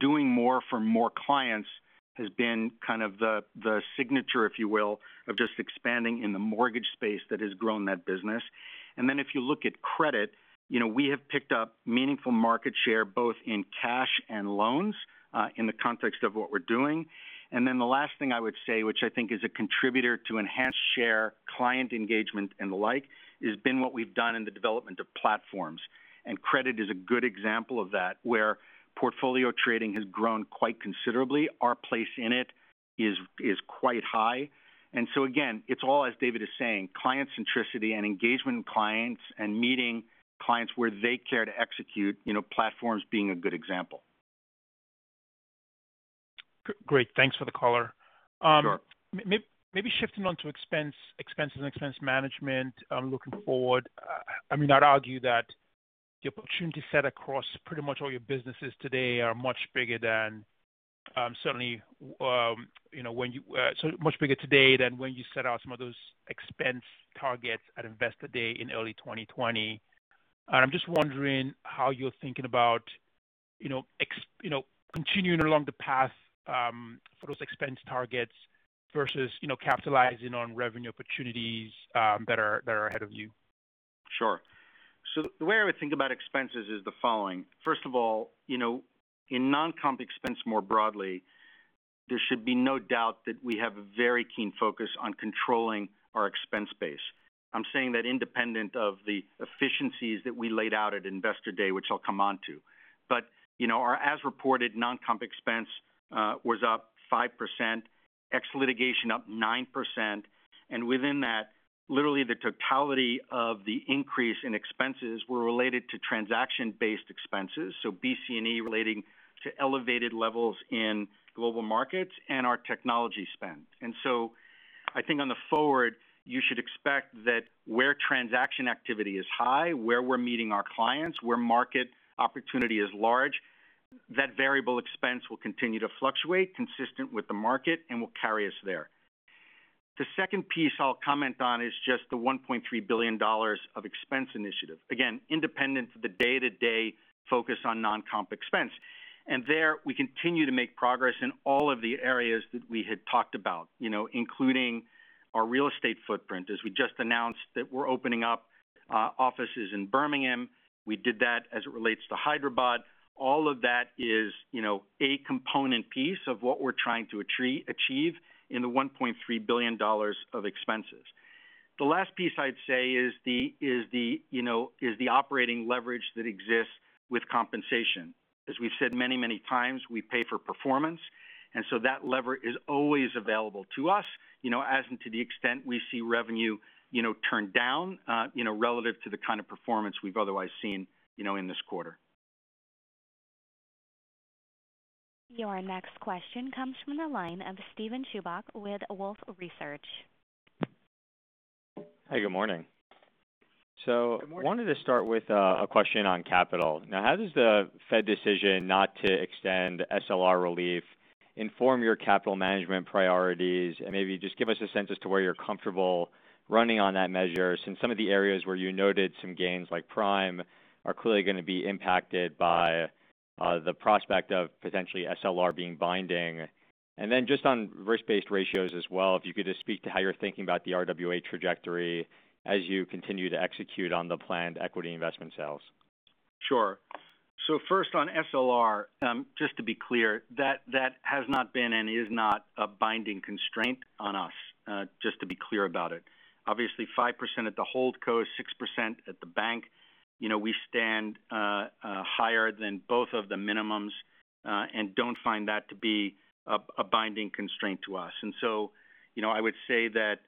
Doing more for more clients has been kind of the signature, if you will, of just expanding in the mortgage space that has grown that business. If you look at credit, we have picked up meaningful market share both in cash and loans, in the context of what we're doing. The last thing I would say, which I think is a contributor to enhanced share client engagement and the like, has been what we've done in the development of platforms. Credit is a good example of that, where portfolio trading has grown quite considerably. Our place in it is quite high. Again, it's all as David is saying, client centricity and engagement with clients and meeting clients where they care to execute, platforms being a good example. Great. Thanks for the color. Sure. Maybe shifting on to expenses and expense management, looking forward. I mean, I'd argue that the opportunity set across pretty much all your businesses today are much bigger today than when you set out some of those expense targets at Investor Day in early 2020. I'm just wondering how you're thinking about continuing along the path, for those expense targets versus capitalizing on revenue opportunities that are ahead of you. Sure. The way I would think about expenses is the following. First of all, in non-comp expense more broadly, there should be no doubt that we have a very keen focus on controlling our expense base. I'm saying that independent of the efficiencies that we laid out at Investor Day, which I'll come on to. Our as-reported non-comp expense was up 5%, ex litigation up 9%, and within that, literally the totality of the increase in expenses were related to transaction-based expenses. BC&E relating to elevated levels in global markets and our technology spend. I think on the forward, you should expect that where transaction activity is high, where we're meeting our clients, where market opportunity is large, that variable expense will continue to fluctuate consistent with the market and will carry us there. The second piece I'll comment on is just the $1.3 billion of expense initiative. Again, independent of the day-to-day focus on non-comp expense. There, we continue to make progress in all of the areas that we had talked about, including our real estate footprint. As we just announced that we're opening up offices in Birmingham. We did that as it relates to Hyderabad. All of that is a component piece of what we're trying to achieve in the $1.3 billion of expenses. The last piece I'd say is the operating leverage that exists with compensation. As we've said many times, we pay for performance, that lever is always available to us, as and to the extent we see revenue turn down relative to the kind of performance we've otherwise seen in this quarter. Your next question comes from the line of Steven Chubak with Wolfe Research. Hi, good morning. Good morning. Wanted to start with a question on capital. Now, how does the Fed decision not to extend SLR relief inform your capital management priorities? Maybe just give us a sense as to where you're comfortable running on that measure, since some of the areas where you noted some gains, like Prime, are clearly going to be impacted by the prospect of potentially SLR being binding. Just on risk-based ratios as well, if you could just speak to how you're thinking about the RWA trajectory as you continue to execute on the planned equity investment sales. Sure. First on SLR, just to be clear, that has not been and is not a binding constraint on us. Just to be clear about it. Obviously, 5% at the hold co, 6% at the bank. We stand higher than both of the minimums, and don't find that to be a binding constraint to us. I would say that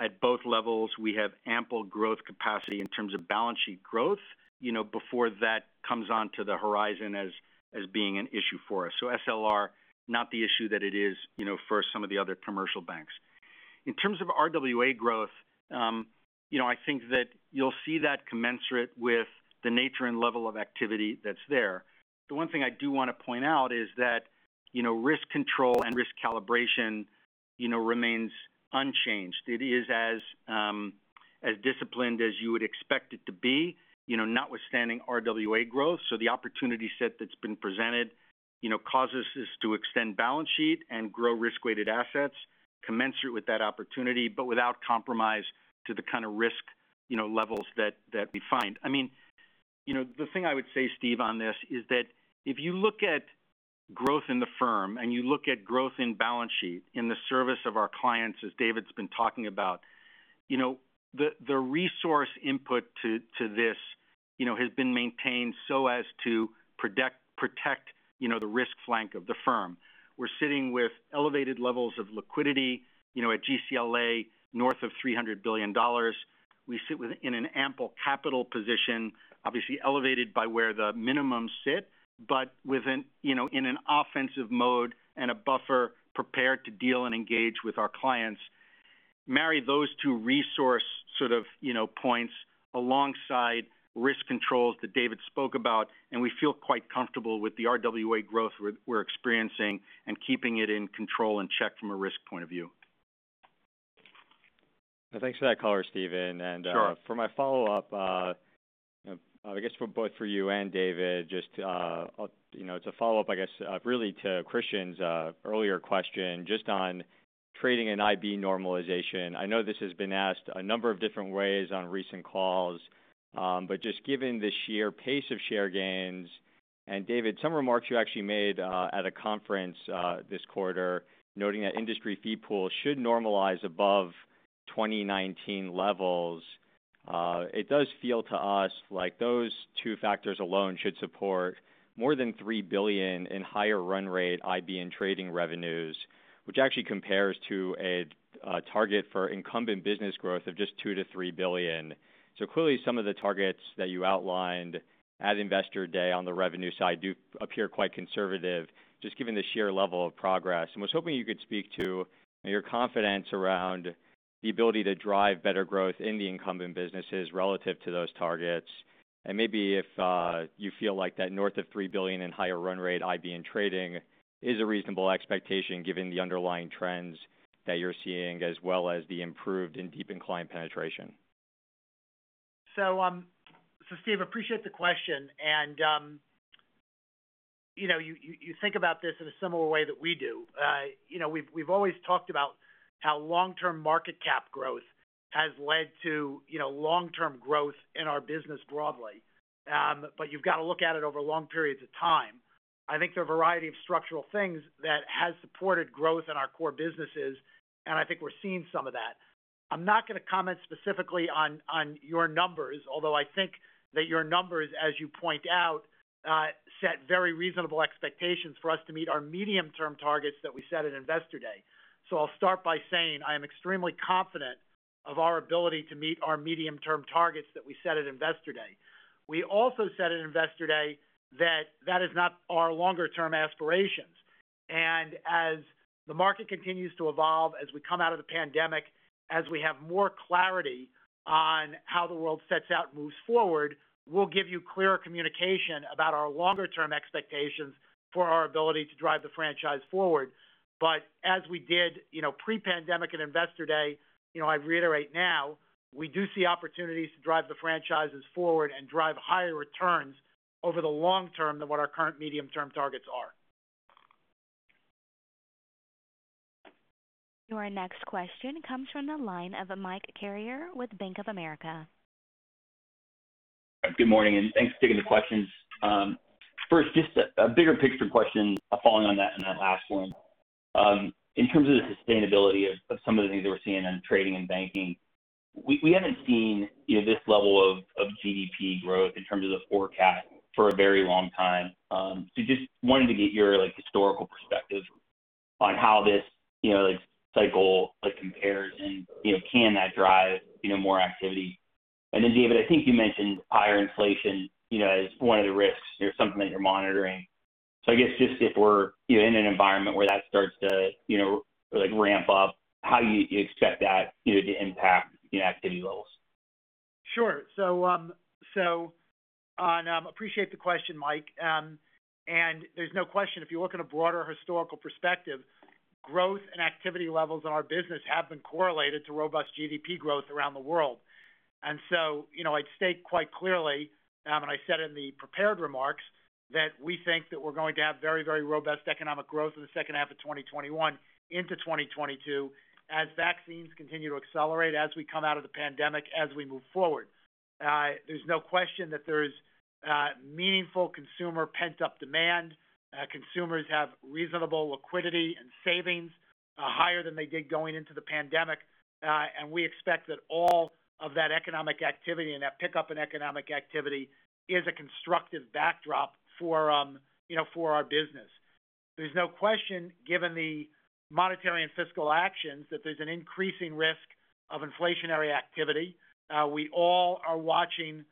at both levels, we have ample growth capacity in terms of balance sheet growth before that comes onto the horizon as being an issue for us. SLR, not the issue that it is for some of the other commercial banks. In terms of RWA growth, I think that you'll see that commensurate with the nature and level of activity that's there. The one thing I do want to point out is that risk control and risk calibration remains unchanged. It is as disciplined as you would expect it to be, notwithstanding RWA growth. The opportunity set that's been presented causes us to extend balance sheet and grow risk-weighted assets commensurate with that opportunity, but without compromise to the kind of risk levels that we find. The thing I would say, Steve, on this is that if you look at growth in the firm, and you look at growth in balance sheet in the service of our clients, as David's been talking about, the resource input to this has been maintained so as to protect the risk flank of the firm. We're sitting with elevated levels of liquidity at GCLA, north of $300 billion. We sit within an ample capital position, obviously elevated by where the minimums sit, but in an offensive mode and a buffer prepared to deal and engage with our clients. Marry those two resource sort of points alongside risk controls that David spoke about, and we feel quite comfortable with the RWA growth we're experiencing and keeping it in control and check from a risk point of view. Thanks for that color, Stephen. Sure. For my follow-up, I guess both for you and David, just to follow up, I guess, really to Christian's earlier question just on trading and IB normalization. I know this has been asked a number of different ways on recent calls. Just given the sheer pace of share gains, and David, some remarks you actually made at a conference this quarter, noting that industry fee pool should normalize above 2019 levels. It does feel to us like those two factors alone should support more than $3 billion in higher run rate IB and trading revenues, which actually compares to a target for incumbent business growth of just $2 billion-$3 billion. Clearly, some of the targets that you outlined at Investor Day on the revenue side do appear quite conservative, just given the sheer level of progress. Was hoping you could speak to your confidence around the ability to drive better growth in the incumbent businesses relative to those targets. Maybe if you feel like that north of $3 billion in higher run rate IB and trading is a reasonable expectation given the underlying trends that you're seeing as well as the improved and deepened client penetration. Steve, appreciate the question. You think about this in a similar way that we do. We've always talked about how long-term market cap growth has led to long-term growth in our business broadly. You've got to look at it over long periods of time. I think there are a variety of structural things that has supported growth in our core businesses, and I think we're seeing some of that. I'm not going to comment specifically on your numbers, although I think that your numbers, as you point out, set very reasonable expectations for us to meet our medium-term targets that we set at Investor Day. I'll start by saying I am extremely confident of our ability to meet our medium-term targets that we set at Investor Day. We also said at Investor Day that that is not our longer-term aspirations. As the market continues to evolve, as we come out of the pandemic, as we have more clarity on how the world sets out and moves forward, we'll give you clearer communication about our longer-term expectations for our ability to drive the franchise forward. As we did pre-pandemic at Investor Day, I reiterate now, we do see opportunities to drive the franchises forward and drive higher returns over the long term than what our current medium-term targets are. Your next question comes from the line of Michael Carrier with Bank of America. Good morning, thanks for taking the questions. First, just a bigger picture question following on that last one. In terms of the sustainability of some of the things that we're seeing in trading and banking, we haven't seen this level of GDP growth in terms of the forecast for a very long time. Just wanted to get your historical perspective on how this cycle compares and can that drive more activity. David, I think you mentioned higher inflation as one of the risks or something that you're monitoring. I guess just if we're in an environment where that starts to ramp up, how you expect that to impact activity levels. Sure. I appreciate the question, Mike. There's no question, if you look at a broader historical perspective, growth and activity levels in our business have been correlated to robust GDP growth around the world. I'd state quite clearly, and I said in the prepared remarks, that we think that we're going to have very robust economic growth in the second half of 2021 into 2022 as vaccines continue to accelerate, as we come out of the pandemic, as we move forward. There's no question that there's meaningful consumer pent-up demand. Consumers have reasonable liquidity and savings, higher than they did going into the pandemic. We expect that all of that economic activity and that pickup in economic activity is a constructive backdrop for our business. There's no question, given the monetary and fiscal actions, that there's an increasing risk of inflationary activity. We all are watching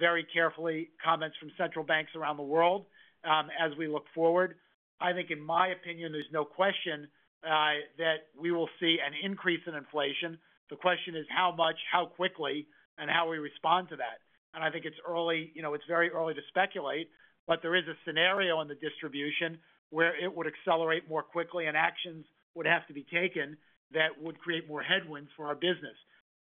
very carefully comments from central banks around the world as we look forward. I think in my opinion, there's no question that we will see an increase in inflation. The question is how much, how quickly, and how we respond to that. I think it's very early to speculate, but there is a scenario in the distribution where it would accelerate more quickly and actions would have to be taken that would create more headwinds for our business.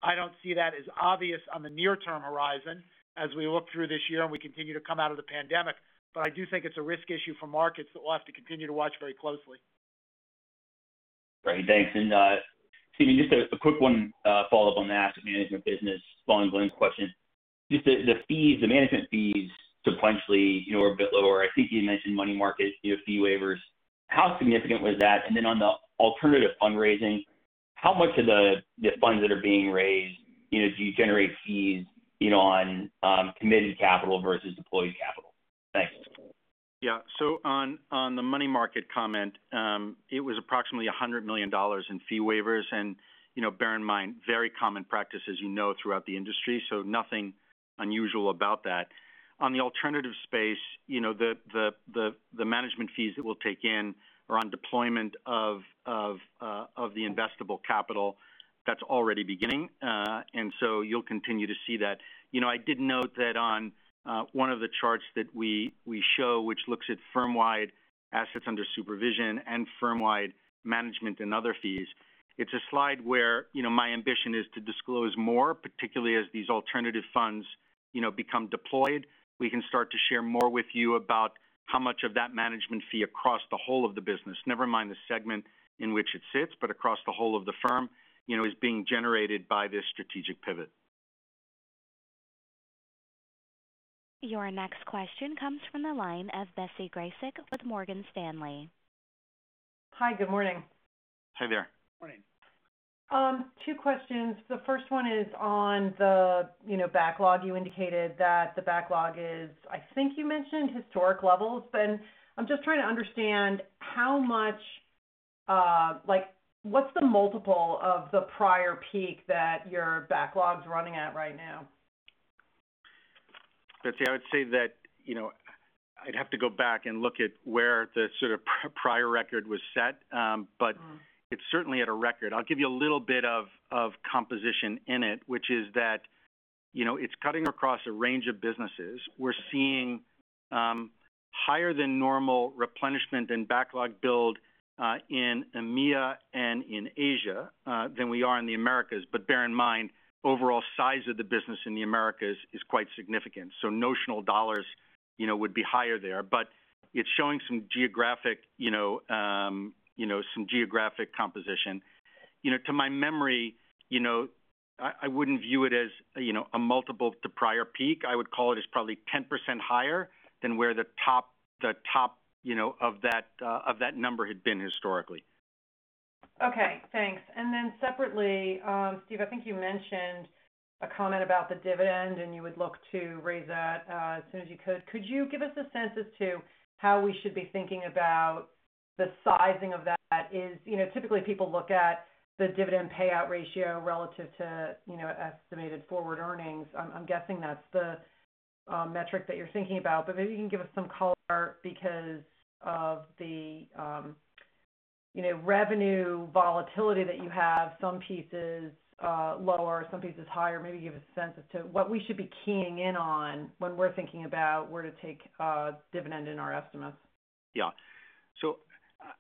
I don't see that as obvious on the near-term horizon as we look through this year and we continue to come out of the pandemic. I do think it's a risk issue for markets that we'll have to continue to watch very closely. Great. Thanks. Stephen, just a quick one follow up on the asset management business following Glenn's question. Just the management fees sequentially are a bit lower. I think you mentioned money markets, fee waivers. How significant was that? On the alternative fundraising, how much of the funds that are being raised do generate fees on committed capital versus deployed capital? Thanks. On the money market comment, it was approximately $100 million in fee waivers. Bear in mind, very common practice as you know, throughout the industry. Nothing unusual about that. On the alternative space, the management fees that we'll take in are on deployment of the investable capital that's already beginning. You'll continue to see that. I did note that on one of the charts that we show, which looks at firm-wide assets under supervision and firm-wide management and other fees, it's a slide where my ambition is to disclose more, particularly as these alternative funds become deployed. We can start to share more with you about how much of that management fee across the whole of the business, never mind the segment in which it sits, but across the whole of the firm, is being generated by this strategic pivot. Your next question comes from the line of Betsy Graseck with Morgan Stanley. Hi. Good morning. Hi there. Morning. Two questions. The first one is on the backlog. You indicated that the backlog is, I think you mentioned historic levels. I'm just trying to understand what's the multiple of the prior peak that your backlog's running at right now? Betsy, I would say that I'd have to go back and look at where the sort of prior record was set. It's certainly at a record. I'll give you a little bit of composition in it, which is that it's cutting across a range of businesses. We're seeing higher than normal replenishment and backlog build in EMEA and in Asia than we are in the Americas. Bear in mind, overall size of the business in the Americas is quite significant. Notional dollars would be higher there. It's showing some geographic composition. To my memory, I wouldn't view it as a multiple to prior peak. I would call it as probably 10% higher than where the top of that number had been historically. Okay, thanks. Separately, Stephen, I think you mentioned a comment about the dividend, and you would look to raise that as soon as you could. Could you give us a sense as to how we should be thinking about the sizing of that? Typically, people look at the dividend payout ratio relative to estimated forward earnings. I'm guessing that's the metric that you're thinking about, but maybe you can give us some color because of the revenue volatility that you have, some pieces lower, some pieces higher. Maybe give a sense as to what we should be keying in on when we're thinking about where to take a dividend in our estimates. Yeah.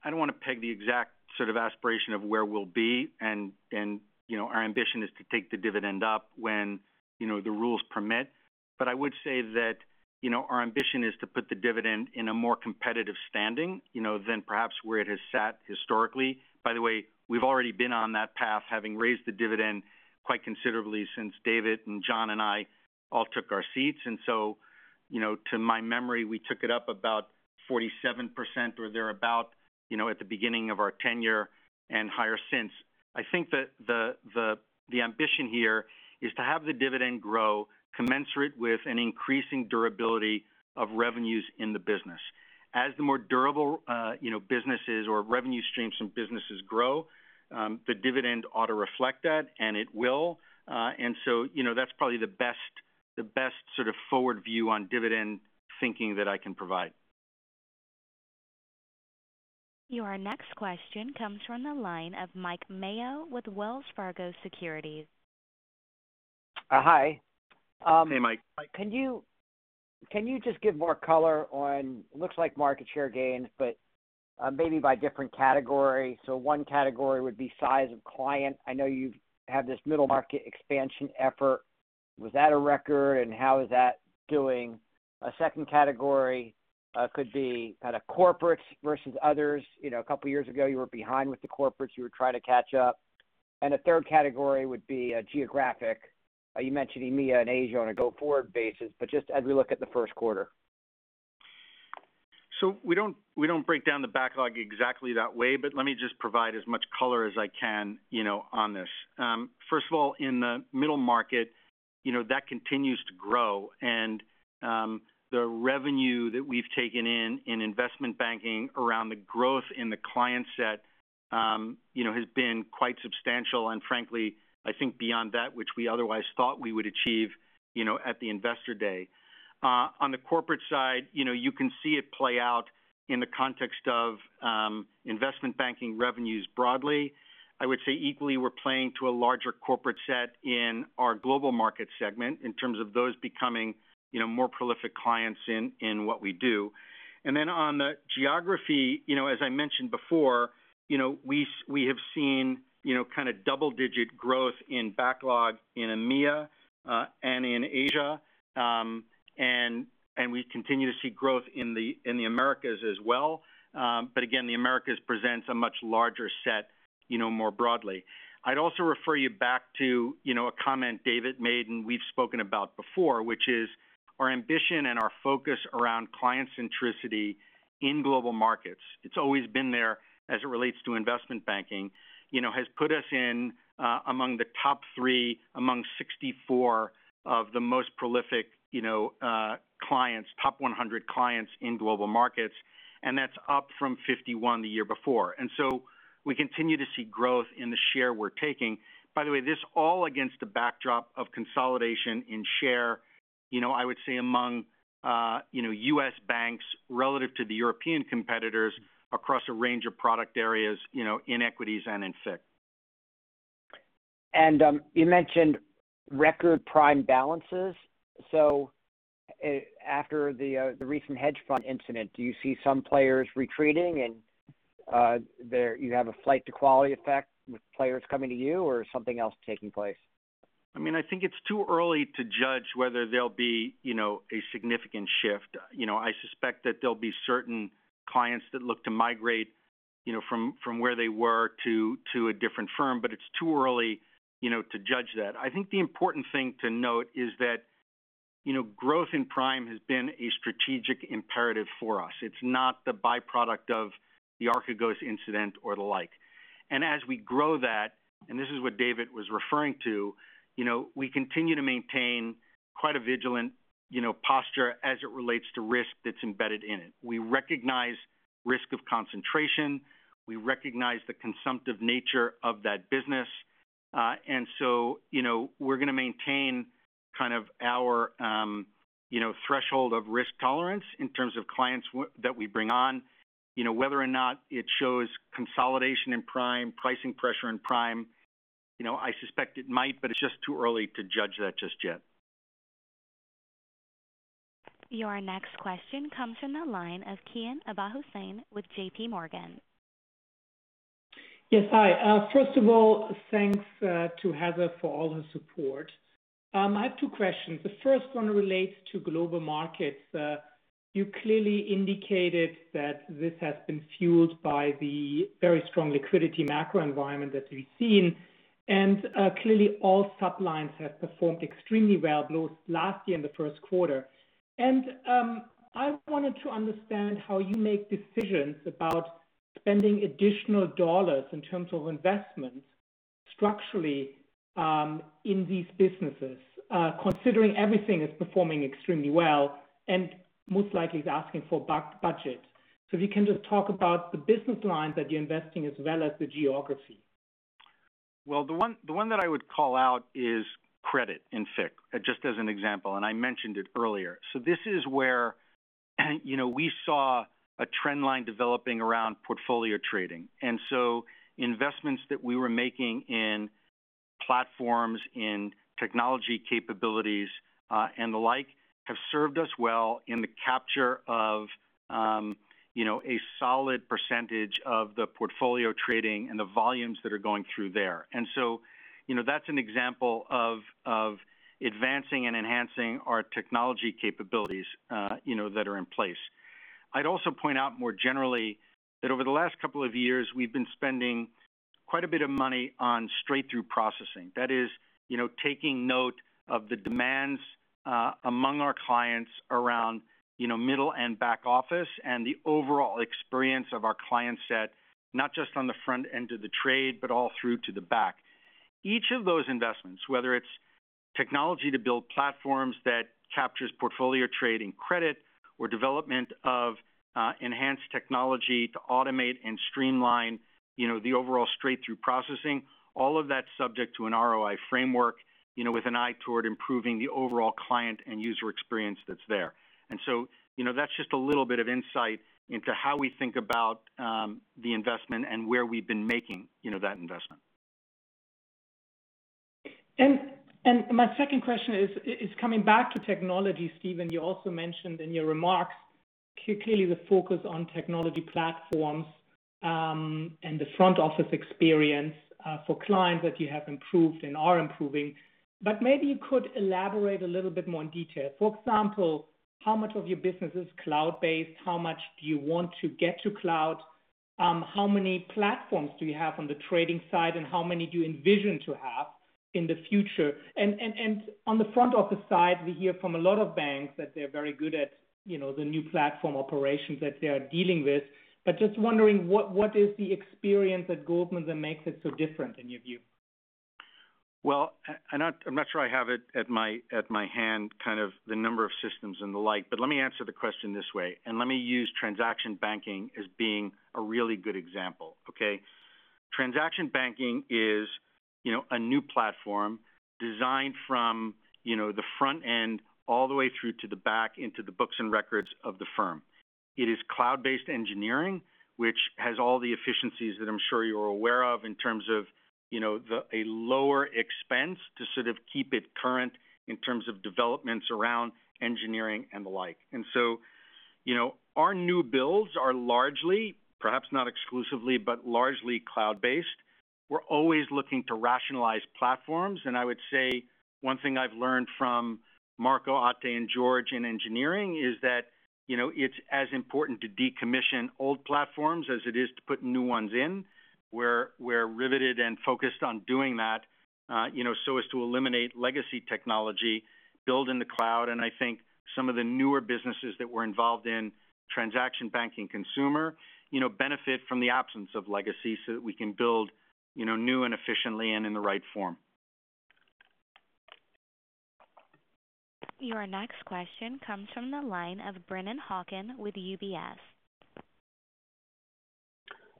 I don't want to peg the exact sort of aspiration of where we'll be. Our ambition is to take the dividend up when the rules permit. I would say that. Our ambition is to put the dividend in a more competitive standing than perhaps where it has sat historically. By the way, we've already been on that path, having raised the dividend quite considerably since David and John and I all took our seats. To my memory, we took it up about 47% or thereabout at the beginning of our tenure, and higher since. I think that the ambition here is to have the dividend grow commensurate with an increasing durability of revenues in the business. As the more durable businesses or revenue streams from businesses grow, the dividend ought to reflect that, and it will. That's probably the best sort of forward view on dividend thinking that I can provide. Your next question comes from the line of Mike Mayo with Wells Fargo Securities. Hi Hey, Mike. Can you just give more color on, looks like market share gains, maybe by different category. One category would be size of client. I know you have this middle market expansion effort. Was that a record, how is that doing? A second category could be kind of corporates versus others. A couple of years ago, you were behind with the corporates. You were trying to catch up. A third category would be geographic. You mentioned EMEA and Asia on a go-forward basis, just as we look at the first quarter. We don't break down the backlog exactly that way, but let me just provide as much color as I can on this. First of all, in the middle market, that continues to grow, and the revenue that we've taken in investment banking around the growth in the client set has been quite substantial. Frankly, I think beyond that which we otherwise thought we would achieve at the Investor Day. On the corporate side, you can see it play out in the context of investment banking revenues broadly. I would say equally, we're playing to a larger corporate set in our global market segment in terms of those becoming more prolific clients in what we do. On the geography, as I mentioned before, we have seen kind of double-digit growth in backlog in EMEA, and in Asia. We continue to see growth in the Americas as well. Again, the Americas presents a much larger set more broadly. I'd also refer you back to a comment David made, and we've spoken about before, which is our ambition and our focus around client centricity in global markets. It's always been there as it relates to investment banking. Has put us in among the top three, among 64 of the most prolific clients, top 100 clients in global markets, and that's up from 51 the year before. We continue to see growth in the share we're taking. By the way, this all against a backdrop of consolidation in share, I would say, among U.S. banks relative to the European competitors across a range of product areas, in equities and in FICC. You mentioned record prime balances. After the recent hedge fund incident, do you see some players retreating, and you have a flight to quality effect with players coming to you or something else taking place? I think it's too early to judge whether there'll be a significant shift. I suspect that there'll be certain clients that look to migrate from where they were to a different firm, but it's too early to judge that. I think the important thing to note is that growth in prime has been a strategic imperative for us. It's not the byproduct of the Archegos incident or the like. As we grow that, and this is what David was referring to, we continue to maintain quite a vigilant posture as it relates to risk that's embedded in it. We recognize risk of concentration. We recognize the consumptive nature of that business. So, we're going to maintain kind of our threshold of risk tolerance in terms of clients that we bring on. Whether or not it shows consolidation in prime, pricing pressure in prime, I suspect it might, but it is just too early to judge that just yet. Your next question comes from the line of Kian Abouhossein with JPMorgan. Yes. Hi. First of all, thanks to Heather for all her support. I have two questions. The first one relates to global markets. You clearly indicated that this has been fueled by the very strong liquidity macro environment that we've seen. Clearly, all sublines have performed extremely well both last year and the first quarter. I wanted to understand how you make decisions about spending additional dollars in terms of investments structurally in these businesses. Considering everything is performing extremely well, and most likely is asking for budget. If you can just talk about the business lines that you're investing as well as the geography. The one that I would call out is credit in FICC, just as an example, and I mentioned it earlier. This is where we saw a trend line developing around portfolio trading. Investments that we were making in platforms, in technology capabilities, and the like, have served us well in the capture of a solid percentage of the portfolio trading and the volumes that are going through there. That's an example of advancing and enhancing our technology capabilities that are in place. I'd also point out more generally that over the last couple of years, we've been spending quite a bit of money on straight-through processing. That is taking note of the demands among our clients around middle and back office and the overall experience of our client set, not just on the front end of the trade, but all through to the back. Each of those investments, whether it's technology to build platforms that captures portfolio trading credit or development of enhanced technology to automate and streamline the overall straight-through processing, all of that's subject to an ROI framework with an eye toward improving the overall client and user experience that's there. That's just a little bit of insight into how we think about the investment and where we've been making that investment. My second question is coming back to technology, Stephen, you also mentioned in your remarks clearly the focus on technology platforms and the front-office experience for clients that you have improved and are improving. Maybe you could elaborate a little bit more in detail. For example, how much of your business is cloud-based? How much do you want to get to cloud? How many platforms do you have on the trading side, and how many do you envision to have in the future? On the front-office side, we hear from a lot of banks that they're very good at the new platform operations that they are dealing with. Just wondering what is the experience at Goldman that makes it so different in your view? I'm not sure I have it at my hand, the number of systems and the like. Let me answer the question this way, and let me use transaction banking as being a really good example. Okay? Transaction banking is a new platform designed from the front end all the way through to the back into the books and records of the firm. It is cloud-based engineering, which has all the efficiencies that I'm sure you're aware of in terms of a lower expense to sort of keep it current in terms of developments around engineering and the like. Our new builds are largely, perhaps not exclusively, but largely cloud-based. We're always looking to rationalize platforms, I would say one thing I've learned from Marco, Atte, and George in engineering is that it's as important to decommission old platforms as it is to put new ones in. We're riveted and focused on doing that so as to eliminate legacy technology built in the cloud. I think some of the newer businesses that we're involved in, Transaction Banking Consumer, benefit from the absence of legacy so that we can build new and efficiently and in the right form. Your next question comes from the line of Brennan Hawken with UBS.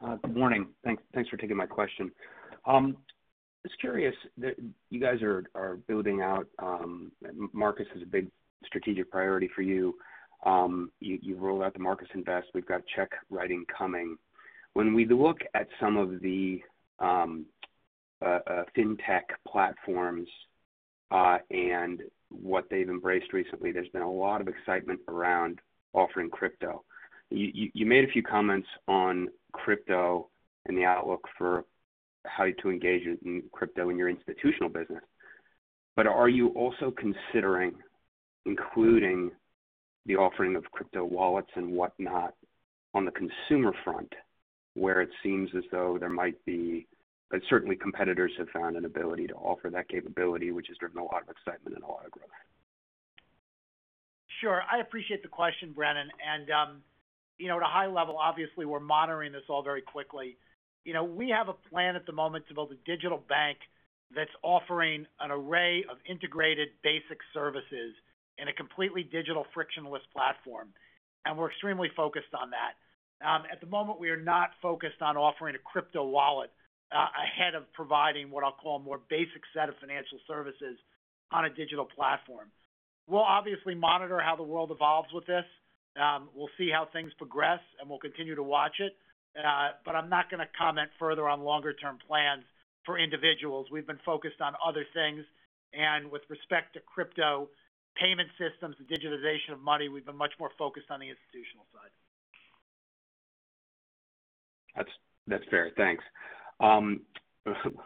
Good morning. Thanks for taking my question. Just curious, you guys are building out, Marcus is a big strategic priority for you. You've rolled out the Marcus Invest. We've got check writing coming. When we look at some of the fintech platforms and what they've embraced recently, there's been a lot of excitement around offering crypto. You made a few comments on crypto and the outlook for how to engage in crypto in your institutional business. Are you also considering including the offering of crypto wallets and whatnot on the consumer front, where it seems as though there might be, certainly competitors have found an ability to offer that capability, which has driven a lot of excitement and a lot of growth? Sure. I appreciate the question, Brennan. At a high level, obviously, we're monitoring this all very quickly. We have a plan at the moment to build a digital bank that's offering an array of integrated basic services in a completely digital frictionless platform. We're extremely focused on that. At the moment, we are not focused on offering a crypto wallet ahead of providing what I'll call a more basic set of financial services on a digital platform. We'll obviously monitor how the world evolves with this. We'll see how things progress, and we'll continue to watch it. I'm not going to comment further on longer-term plans for individuals. We've been focused on other things. With respect to crypto payment systems and digitization of money, we've been much more focused on the institutional side. That's fair. Thanks.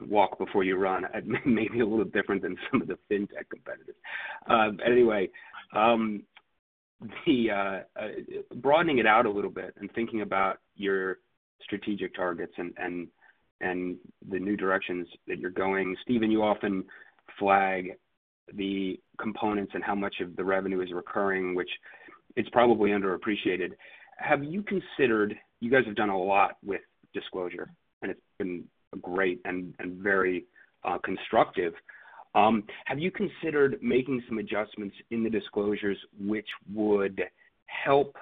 Walk before you run. Maybe a little different than some of the fintech competitors. Broadening it out a little bit and thinking about your strategic targets and the new directions that you're going. Stephen, you often flag the components and how much of the revenue is recurring, which it's probably underappreciated. You guys have done a lot with disclosure, and it's been great and very constructive. Have you considered making some adjustments in the disclosures which would help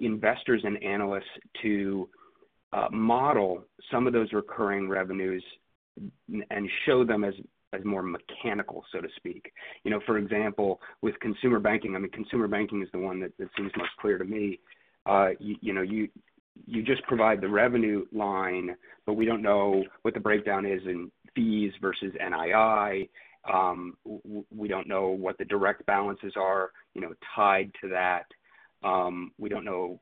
investors and analysts to model some of those recurring revenues and show them as more mechanical, so to speak? For example, with consumer banking, consumer banking is the one that seems most clear to me. You just provide the revenue line, we don't know what the breakdown is in fees versus NII. We don't know what the direct balances are tied to that. We don't know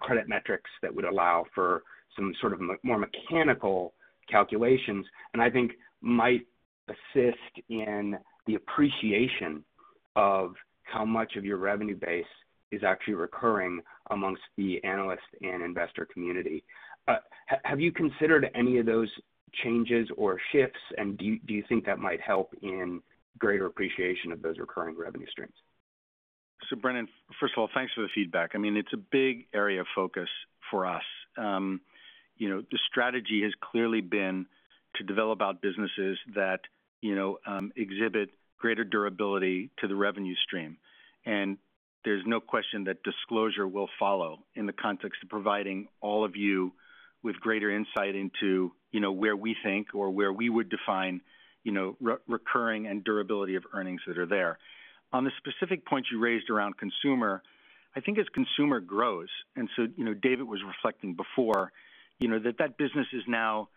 credit metrics that would allow for some sort of more mechanical calculations. I think might assist in the appreciation of how much of your revenue base is actually recurring amongst the analyst and investor community. Have you considered any of those changes or shifts, and do you think that might help in greater appreciation of those recurring revenue streams? Brennan, first of all, thanks for the feedback. It's a big area of focus for us. The strategy has clearly been to develop out businesses that exhibit greater durability to the revenue stream. There's no question that disclosure will follow in the context of providing all of you with greater insight into where we think or where we would define recurring and durability of earnings that are there. On the specific points you raised around consumer, I think as consumer grows, David was reflecting before, that business is now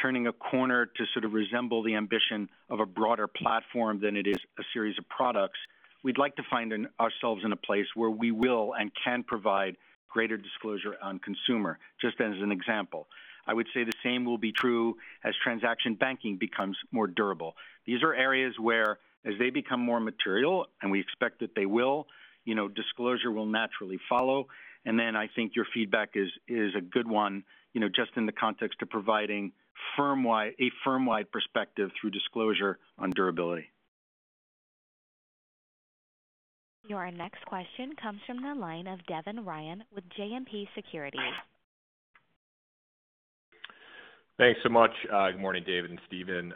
turning a corner to sort of resemble the ambition of a broader platform than it is a series of products. We'd like to find ourselves in a place where we will and can provide greater disclosure on consumer, just as an example. I would say the same will be true as transaction banking becomes more durable. These are areas where as they become more material, and we expect that they will, disclosure will naturally follow. I think your feedback is a good one, just in the context of providing a firm-wide perspective through disclosure on durability. Your next question comes from the line of Devin Ryan with JMP Securities. Thanks so much. Good morning, David and Stephen.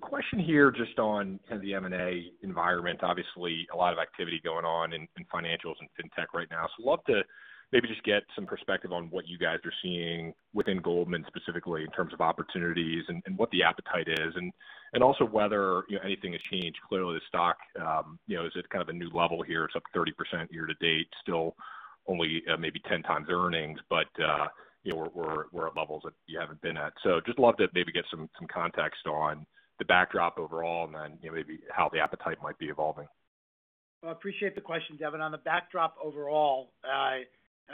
Question here just on the M&A environment. Obviously, a lot of activity going on in financials and fintech right now. Love to maybe just get some perspective on what you guys are seeing within Goldman specifically in terms of opportunities and what the appetite is, and also whether anything has changed. Clearly, the stock is at kind of a new level here. It's up 30% year to date. Still only maybe 10x earnings, we're at levels that you haven't been at. Just love to maybe get some context on the backdrop overall and then maybe how the appetite might be evolving. Well, I appreciate the question, Devin. On the backdrop overall, I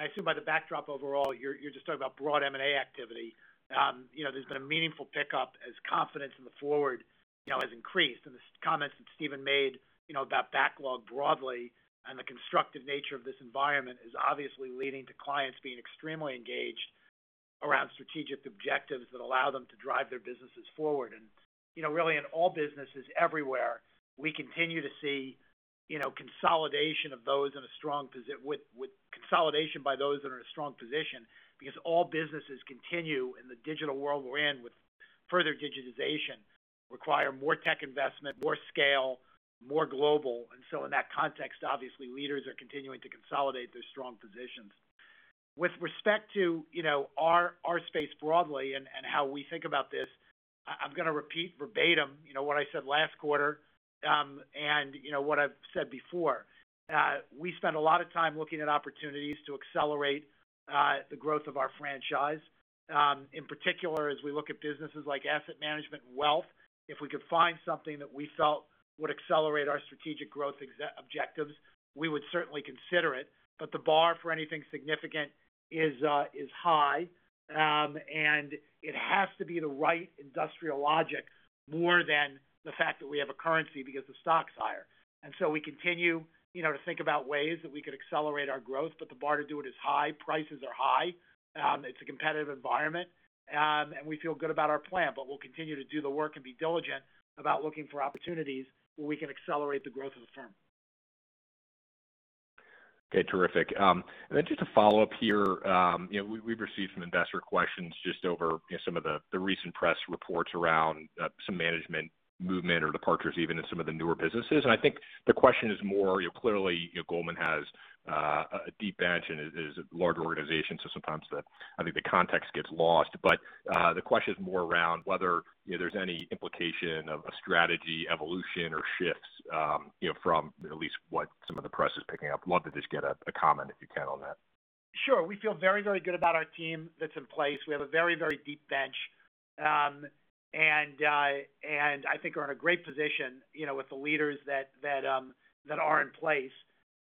assume by the backdrop overall, you're just talking about broad M&A activity. There's been a meaningful pickup as confidence in the forward has increased. The comments that Stephen made about backlog broadly and the constructive nature of this environment is obviously leading to clients being extremely engaged around strategic objectives that allow them to drive their businesses forward. Really in all businesses everywhere, we continue to see consolidation by those that are in a strong position because all businesses continue in the digital world we're in with further digitization, require more tech investment, more scale, more global. In that context, obviously, leaders are continuing to consolidate their strong positions. With respect to our space broadly and how we think about this, I'm going to repeat verbatim what I said last quarter and what I've said before. We spend a lot of time looking at opportunities to accelerate the growth of our franchise. In particular, as we look at businesses like asset management and wealth, if we could find something that we felt would accelerate our strategic growth objectives, we would certainly consider it. The bar for anything significant is high. It has to be the right industrial logic more than the fact that we have a currency because the stock's higher. We continue to think about ways that we could accelerate our growth, but the bar to do it is high. Prices are high. It's a competitive environment. We feel good about our plan, but we'll continue to do the work and be diligent about looking for opportunities where we can accelerate the growth of the firm. Okay, terrific. Just to follow up here, we've received some investor questions just over some of the recent press reports around some management movement or departures even in some of the newer businesses. I think the question is more, clearly Goldman has a deep bench and is a large organization, sometimes I think the context gets lost. The question is more around whether there's any implication of a strategy evolution or shifts from at least what some of the press is picking up. Love to just get a comment, if you can, on that. Sure. We feel very, very good about our team that's in place. We have a very, very deep bench. I think we're in a great position with the leaders that are in place.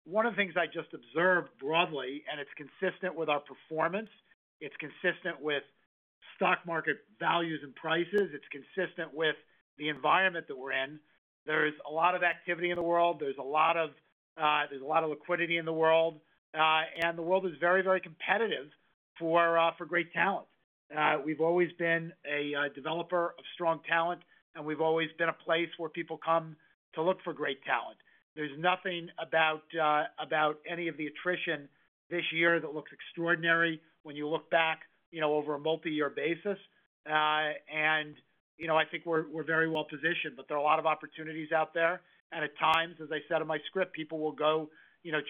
One of the things I just observed broadly, and it's consistent with our performance, it's consistent with stock market values and prices, it's consistent with the environment that we're in. There's a lot of activity in the world. There's a lot of liquidity in the world. The world is very, very competitive for great talent. We've always been a developer of strong talent, and we've always been a place where people come to look for great talent. There's nothing about any of the attrition this year that looks extraordinary when you look back over a multi-year basis. I think we're very well positioned, but there are a lot of opportunities out there. At times, as I said in my script, people will go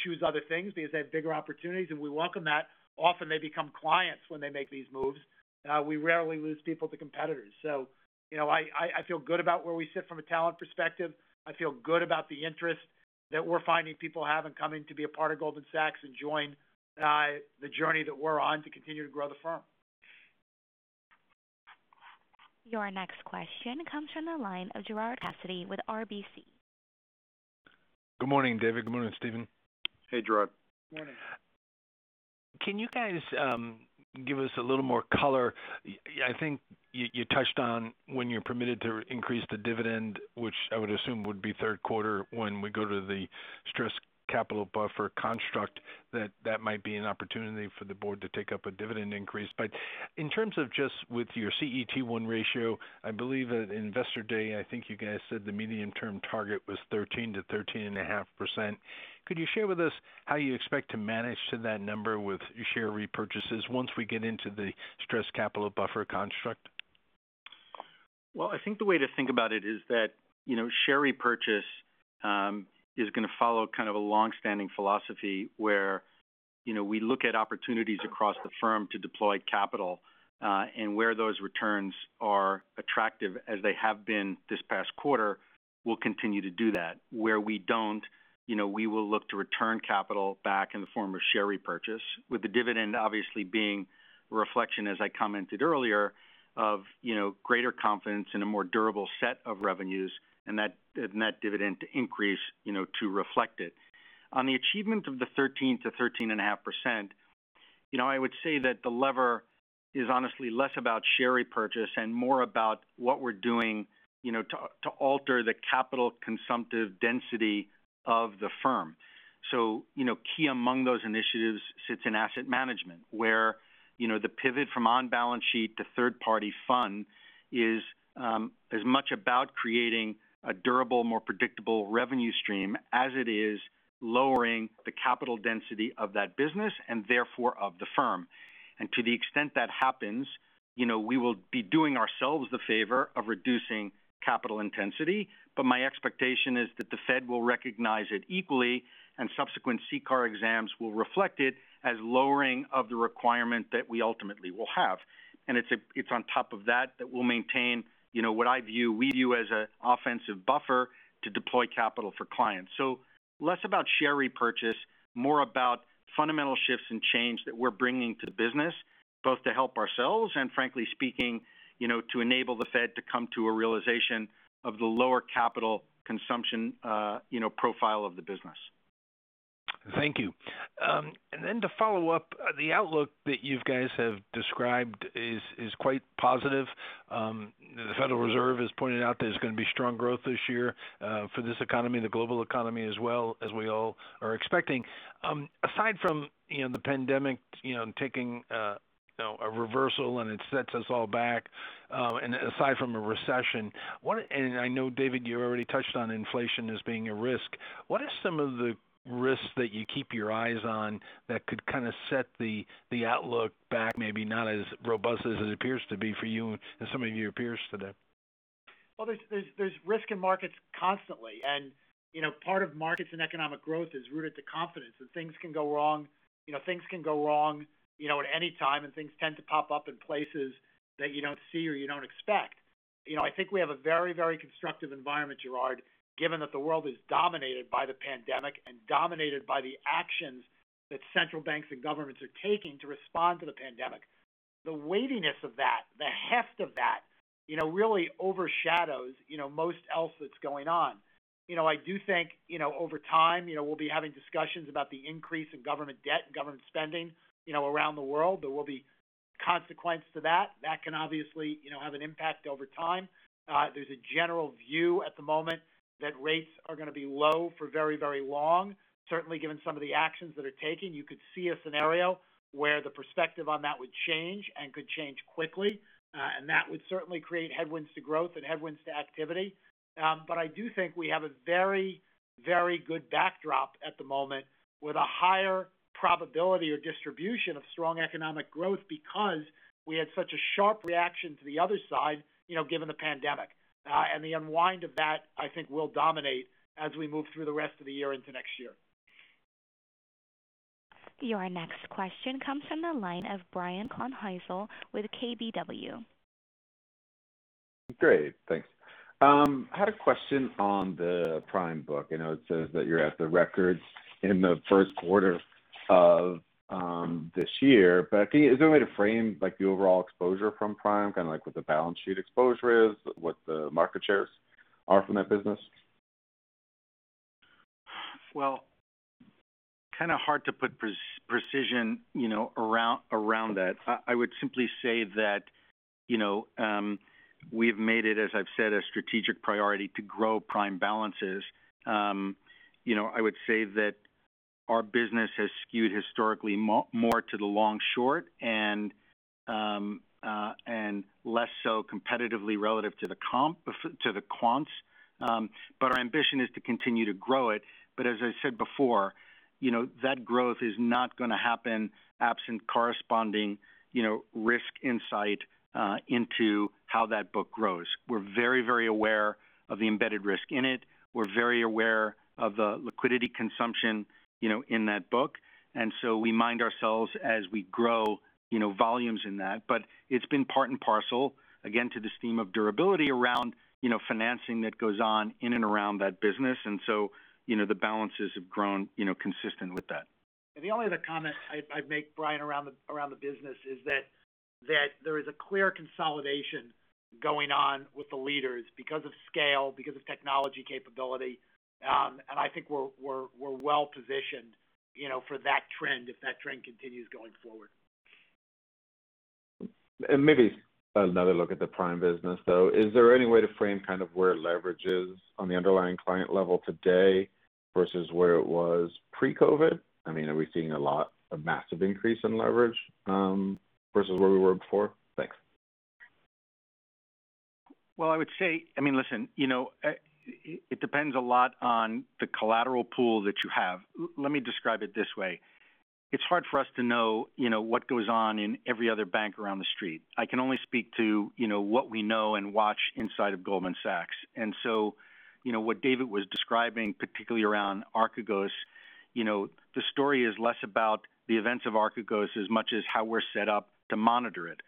choose other things because they have bigger opportunities, and we welcome that. Often they become clients when they make these moves. We rarely lose people to competitors. I feel good about where we sit from a talent perspective. I feel good about the interest that we're finding people have in coming to be a part of Goldman Sachs and join the journey that we're on to continue to grow the firm. Your next question comes from the line of Gerard Cassidy with RBC. Good morning, David. Good morning, Stephen. Hey, Gerard. Good morning. Can you guys give us a little more color? I think you touched on when you're permitted to increase the dividend, which I would assume would be third quarter when we go to the stress capital buffer construct, that might be an opportunity for the board to take up a dividend increase. In terms of just with your CET1 ratio, I believe at Investor Day, I think you guys said the medium-term target was 13%-13.5%. Could you share with us how you expect to manage to that number with share repurchases once we get into the stress capital buffer construct? Well, I think the way to think about it is that share repurchase is going to follow kind of a longstanding philosophy where we look at opportunities across the firm to deploy capital, and where those returns are attractive as they have been this past quarter, we'll continue to do that. Where we don't, we will look to return capital back in the form of share repurchase, with the dividend obviously being a reflection, as I commented earlier, of greater confidence in a more durable set of revenues and that dividend increase to reflect it. On the achievement of the 13%-13.5%, I would say that the lever is honestly less about share repurchase and more about what we're doing to alter the capital consumptive density of the firm. Key among those initiatives sits in asset management, where the pivot from on-balance sheet to third-party fund is as much about creating a durable, more predictable revenue stream as it is lowering the capital density of that business, and therefore of the firm. To the extent that happens, we will be doing ourselves the favor of reducing capital intensity. My expectation is that the Fed will recognize it equally, and subsequent CCAR exams will reflect it as lowering of the requirement that we ultimately will have. It's on top of that we'll maintain what we view as an offensive buffer to deploy capital for clients. Less about share repurchase, more about fundamental shifts and change that we're bringing to the business, both to help ourselves and frankly speaking, to enable the Fed to come to a realization of the lower capital consumption profile of the business. Thank you. To follow up, the outlook that you guys have described is quite positive. The Federal Reserve has pointed out that there's going to be strong growth this year for this economy, the global economy as well, as we all are expecting. Aside from the pandemic taking a reversal and it sets us all back, and aside from a recession, and I know, David, you already touched on inflation as being a risk, what are some of the risks that you keep your eyes on that could kind of set the outlook back, maybe not as robust as it appears to be for you and some of your peers today? Well, there's risk in markets constantly, and part of markets and economic growth is rooted to confidence that things can go wrong at any time, and things tend to pop up in places that you don't see or you don't expect. I think we have a very, very constructive environment, Gerard, given that the world is dominated by the pandemic and dominated by the actions that central banks and governments are taking to respond to the pandemic. The weightiness of that, the heft of that really overshadows most else that's going on. I do think, over time, we'll be having discussions about the increase in government debt and government spending around the world. There will be consequence to that. That can obviously have an impact over time. There's a general view at the moment that rates are going to be low for very, very long. Certainly, given some of the actions that are taken, you could see a scenario where the perspective on that would change and could change quickly. That would certainly create headwinds to growth and headwinds to activity. I do think we have a very, very good backdrop at the moment with a higher probability or distribution of strong economic growth because we had such a sharp reaction to the other side, given the pandemic. The unwind of that, I think, will dominate as we move through the rest of the year into next year. Your next question comes from the line of Brian Kleinhanzl with KBW. Great. Thanks. I had a question on the prime book. I know it says that you're at the records in the first quarter of this year. Is there a way to frame the overall exposure from prime, kind of like what the balance sheet exposure is, what the market shares are from that business? Well, kind of hard to put precision around that. I would simply say that we've made it, as I've said, a strategic priority to grow prime balances. I would say that our business has skewed historically more to the long short and less so competitively relative to the quants. Our ambition is to continue to grow it. As I said before, that growth is not going to happen absent corresponding risk insight into how that book grows. We're very, very aware of the embedded risk in it. We're very aware of the liquidity consumption in that book. We mind ourselves as we grow volumes in that. It's been part and parcel, again, to this theme of durability around financing that goes on in and around that business. The balances have grown consistent with that. The only other comment I'd make, Brian, around the business is that there is a clear consolidation going on with the leaders because of scale, because of technology capability. I think we're well-positioned for that trend, if that trend continues going forward. Maybe another look at the Prime business, though. Is there any way to frame where leverage is on the underlying client level today versus where it was pre-COVID? Are we seeing a massive increase in leverage versus where we were before? Thanks. Well, it depends a lot on the collateral pool that you have. Let me describe it this way. It's hard for us to know what goes on in every other bank around the street. I can only speak to what we know and watch inside of Goldman Sachs. What David was describing, particularly around Archegos, the story is less about the events of Archegos as much as how we're set up to monitor it.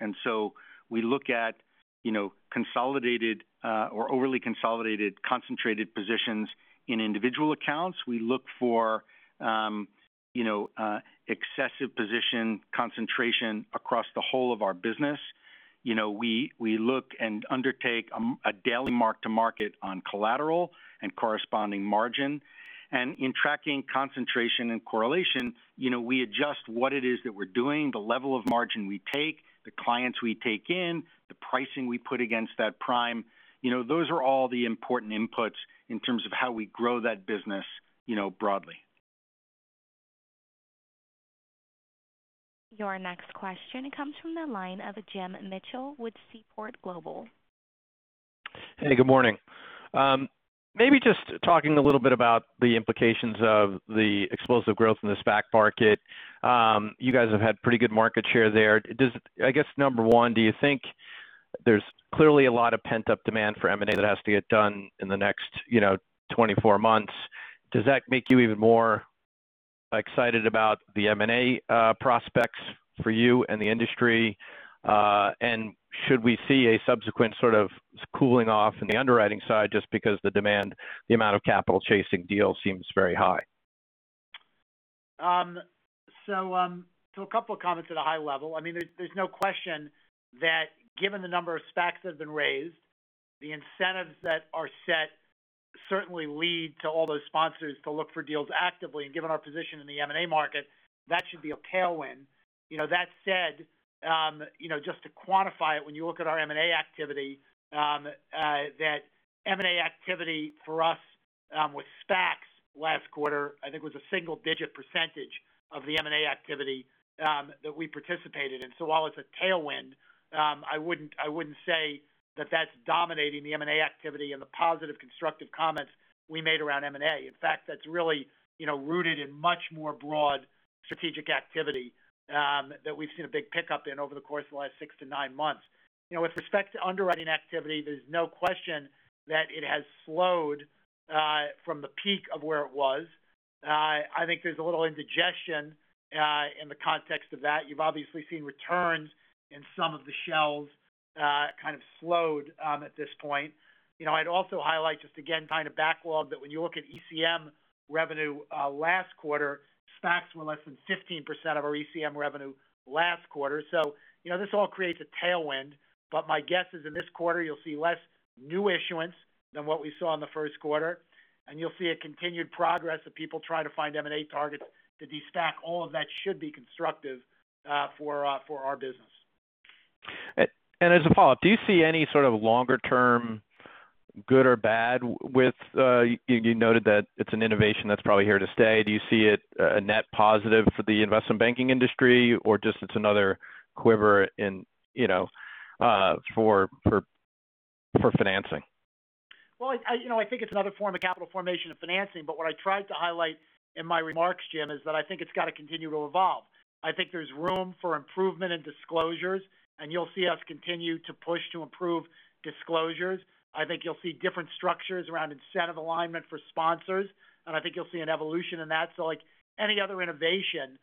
We look at consolidated or overly consolidated, concentrated positions in individual accounts. We look for excessive position concentration across the whole of our business. We look and undertake a daily mark-to-market on collateral and corresponding margin. In tracking concentration and correlation, we adjust what it is that we're doing, the level of margin we take, the clients we take in, the pricing we put against that prime. Those are all the important inputs in terms of how we grow that business broadly. Your next question comes from the line of Jim Mitchell with Seaport Global. Hey, good morning. Maybe just talking a little bit about the implications of the explosive growth in the SPAC market. You guys have had pretty good market share there. I guess, number one, there's clearly a lot of pent-up demand for M&A that has to get done in the next 24 months. Does that make you even more excited about the M&A prospects for you and the industry? Should we see a subsequent sort of cooling off in the underwriting side just because the demand, the amount of capital chasing deals seems very high? A couple of comments at a high level. There's no question that given the number of SPACs that have been raised, the incentives that are set certainly lead to all those sponsors to look for deals actively. Given our position in the M&A market, that should be a tailwind. That said, just to quantify it, when you look at our M&A activity, that M&A activity for us with SPACs last quarter, I think was a single-digit percentage of the M&A activity that we participated in. While it's a tailwind, I wouldn't say that that's dominating the M&A activity and the positive constructive comments we made around M&A. In fact, that's really rooted in much more broad strategic activity that we've seen a big pickup in over the course of the last six to nine months. With respect to underwriting activity, there's no question that it has slowed from the peak of where it was. I think there's a little indigestion in the context of that. You've obviously seen returns in some of the shelves kind of slowed at this point. I'd also highlight just again, kind of backlog that when you look at ECM revenue last quarter, SPACs were less than 15% of our ECM revenue last quarter. This all creates a tailwind, but my guess is in this quarter, you'll see less new issuance than what we saw in the first quarter. You'll see a continued progress of people trying to find M&A targets to de-SPAC. All of that should be constructive for our business. As a follow-up, do you see any sort of longer-term good or bad? You noted that it's an innovation that's probably here to stay. Do you see it a net positive for the investment banking industry, or just it's another quiver for financing? Well, I think it's another form of capital formation of financing. What I tried to highlight in my remarks, Jim, is that I think it's got to continue to evolve. I think there's room for improvement in disclosures, and you'll see us continue to push to improve disclosures. I think you'll see different structures around incentive alignment for sponsors, and I think you'll see an evolution in that. Like any other innovation,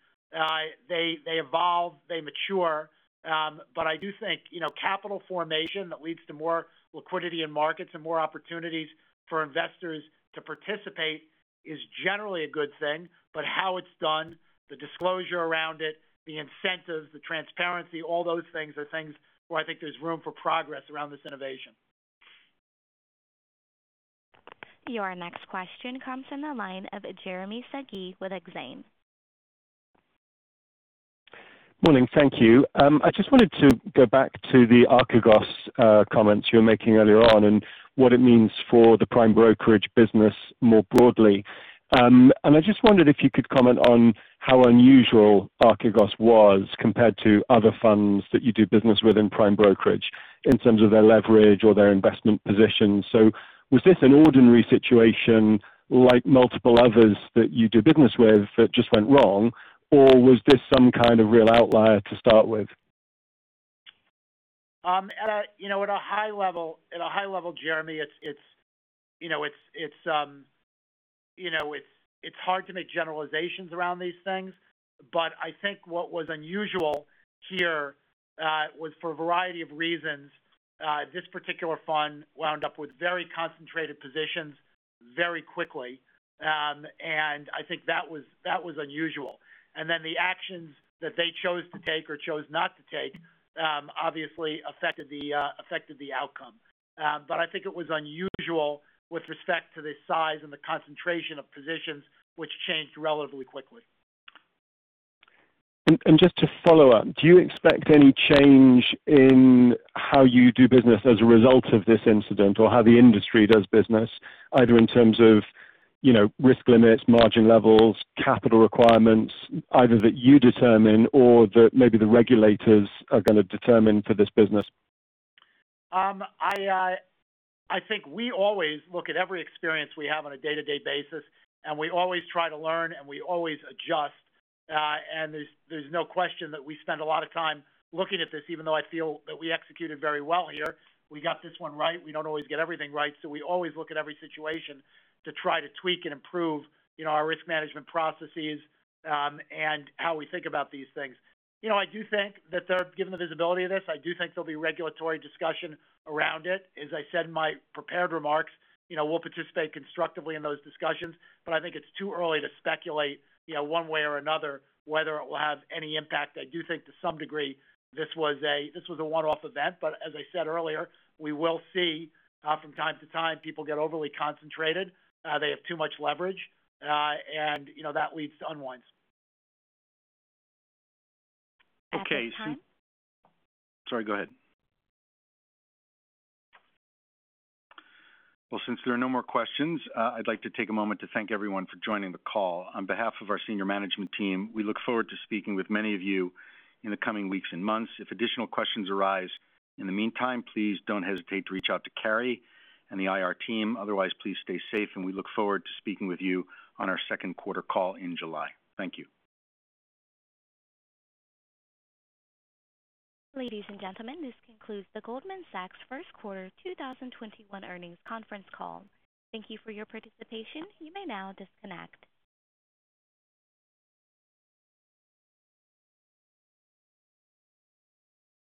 they evolve, they mature. I do think capital formation that leads to more liquidity in markets and more opportunities for investors to participate is generally a good thing. How it's done, the disclosure around it, the incentives, the transparency, all those things are things where I think there's room for progress around this innovation. Your next question comes from the line of Jeremy Sigee with Exane. Morning. Thank you. I just wanted to go back to the Archegos comments you were making earlier on and what it means for the Prime Brokerage business more broadly. I just wondered if you could comment on how unusual Archegos was compared to other funds that you do business within Prime Brokerage in terms of their leverage or their investment position. Was this an ordinary situation like multiple others that you do business with that just went wrong, or was this some kind of real outlier to start with? At a high level, Jeremy, it's hard to make generalizations around these things. I think what was unusual here was for a variety of reasons. This particular fund wound up with very concentrated positions very quickly. I think that was unusual. The actions that they chose to take or chose not to take obviously affected the outcome. I think it was unusual with respect to the size and the concentration of positions which changed relatively quickly. Just to follow up, do you expect any change in how you do business as a result of this incident? Or how the industry does business, either in terms of risk limits, margin levels, capital requirements, either that you determine or that maybe the regulators are going to determine for this business? I think we always look at every experience we have on a day-to-day basis, and we always try to learn, and we always adjust. There's no question that we spend a lot of time looking at this, even though I feel that we executed very well here. We got this one right. We don't always get everything right, so we always look at every situation to try to tweak and improve our risk management processes and how we think about these things. I do think that given the visibility of this, I do think there'll be regulatory discussion around it. As I said in my prepared remarks, we'll participate constructively in those discussions, but I think it's too early to speculate one way or another whether it will have any impact. I do think to some degree, this was a one-off event. As I said earlier, we will see from time to time, people get overly concentrated, they have too much leverage and that leads to unwinds. Okay. At this time. Sorry, go ahead. Well, since there are no more questions, I'd like to take a moment to thank everyone for joining the call. On behalf of our senior management team, we look forward to speaking with many of you in the coming weeks and months. If additional questions arise in the meantime, please don't hesitate to reach out to Carey and the IR team. Otherwise, please stay safe, and we look forward to speaking with you on our second quarter call in July. Thank you. Ladies and gentlemen, this concludes the Goldman Sachs first quarter 2021 earnings conference call. Thank you for your participation. You may now disconnect.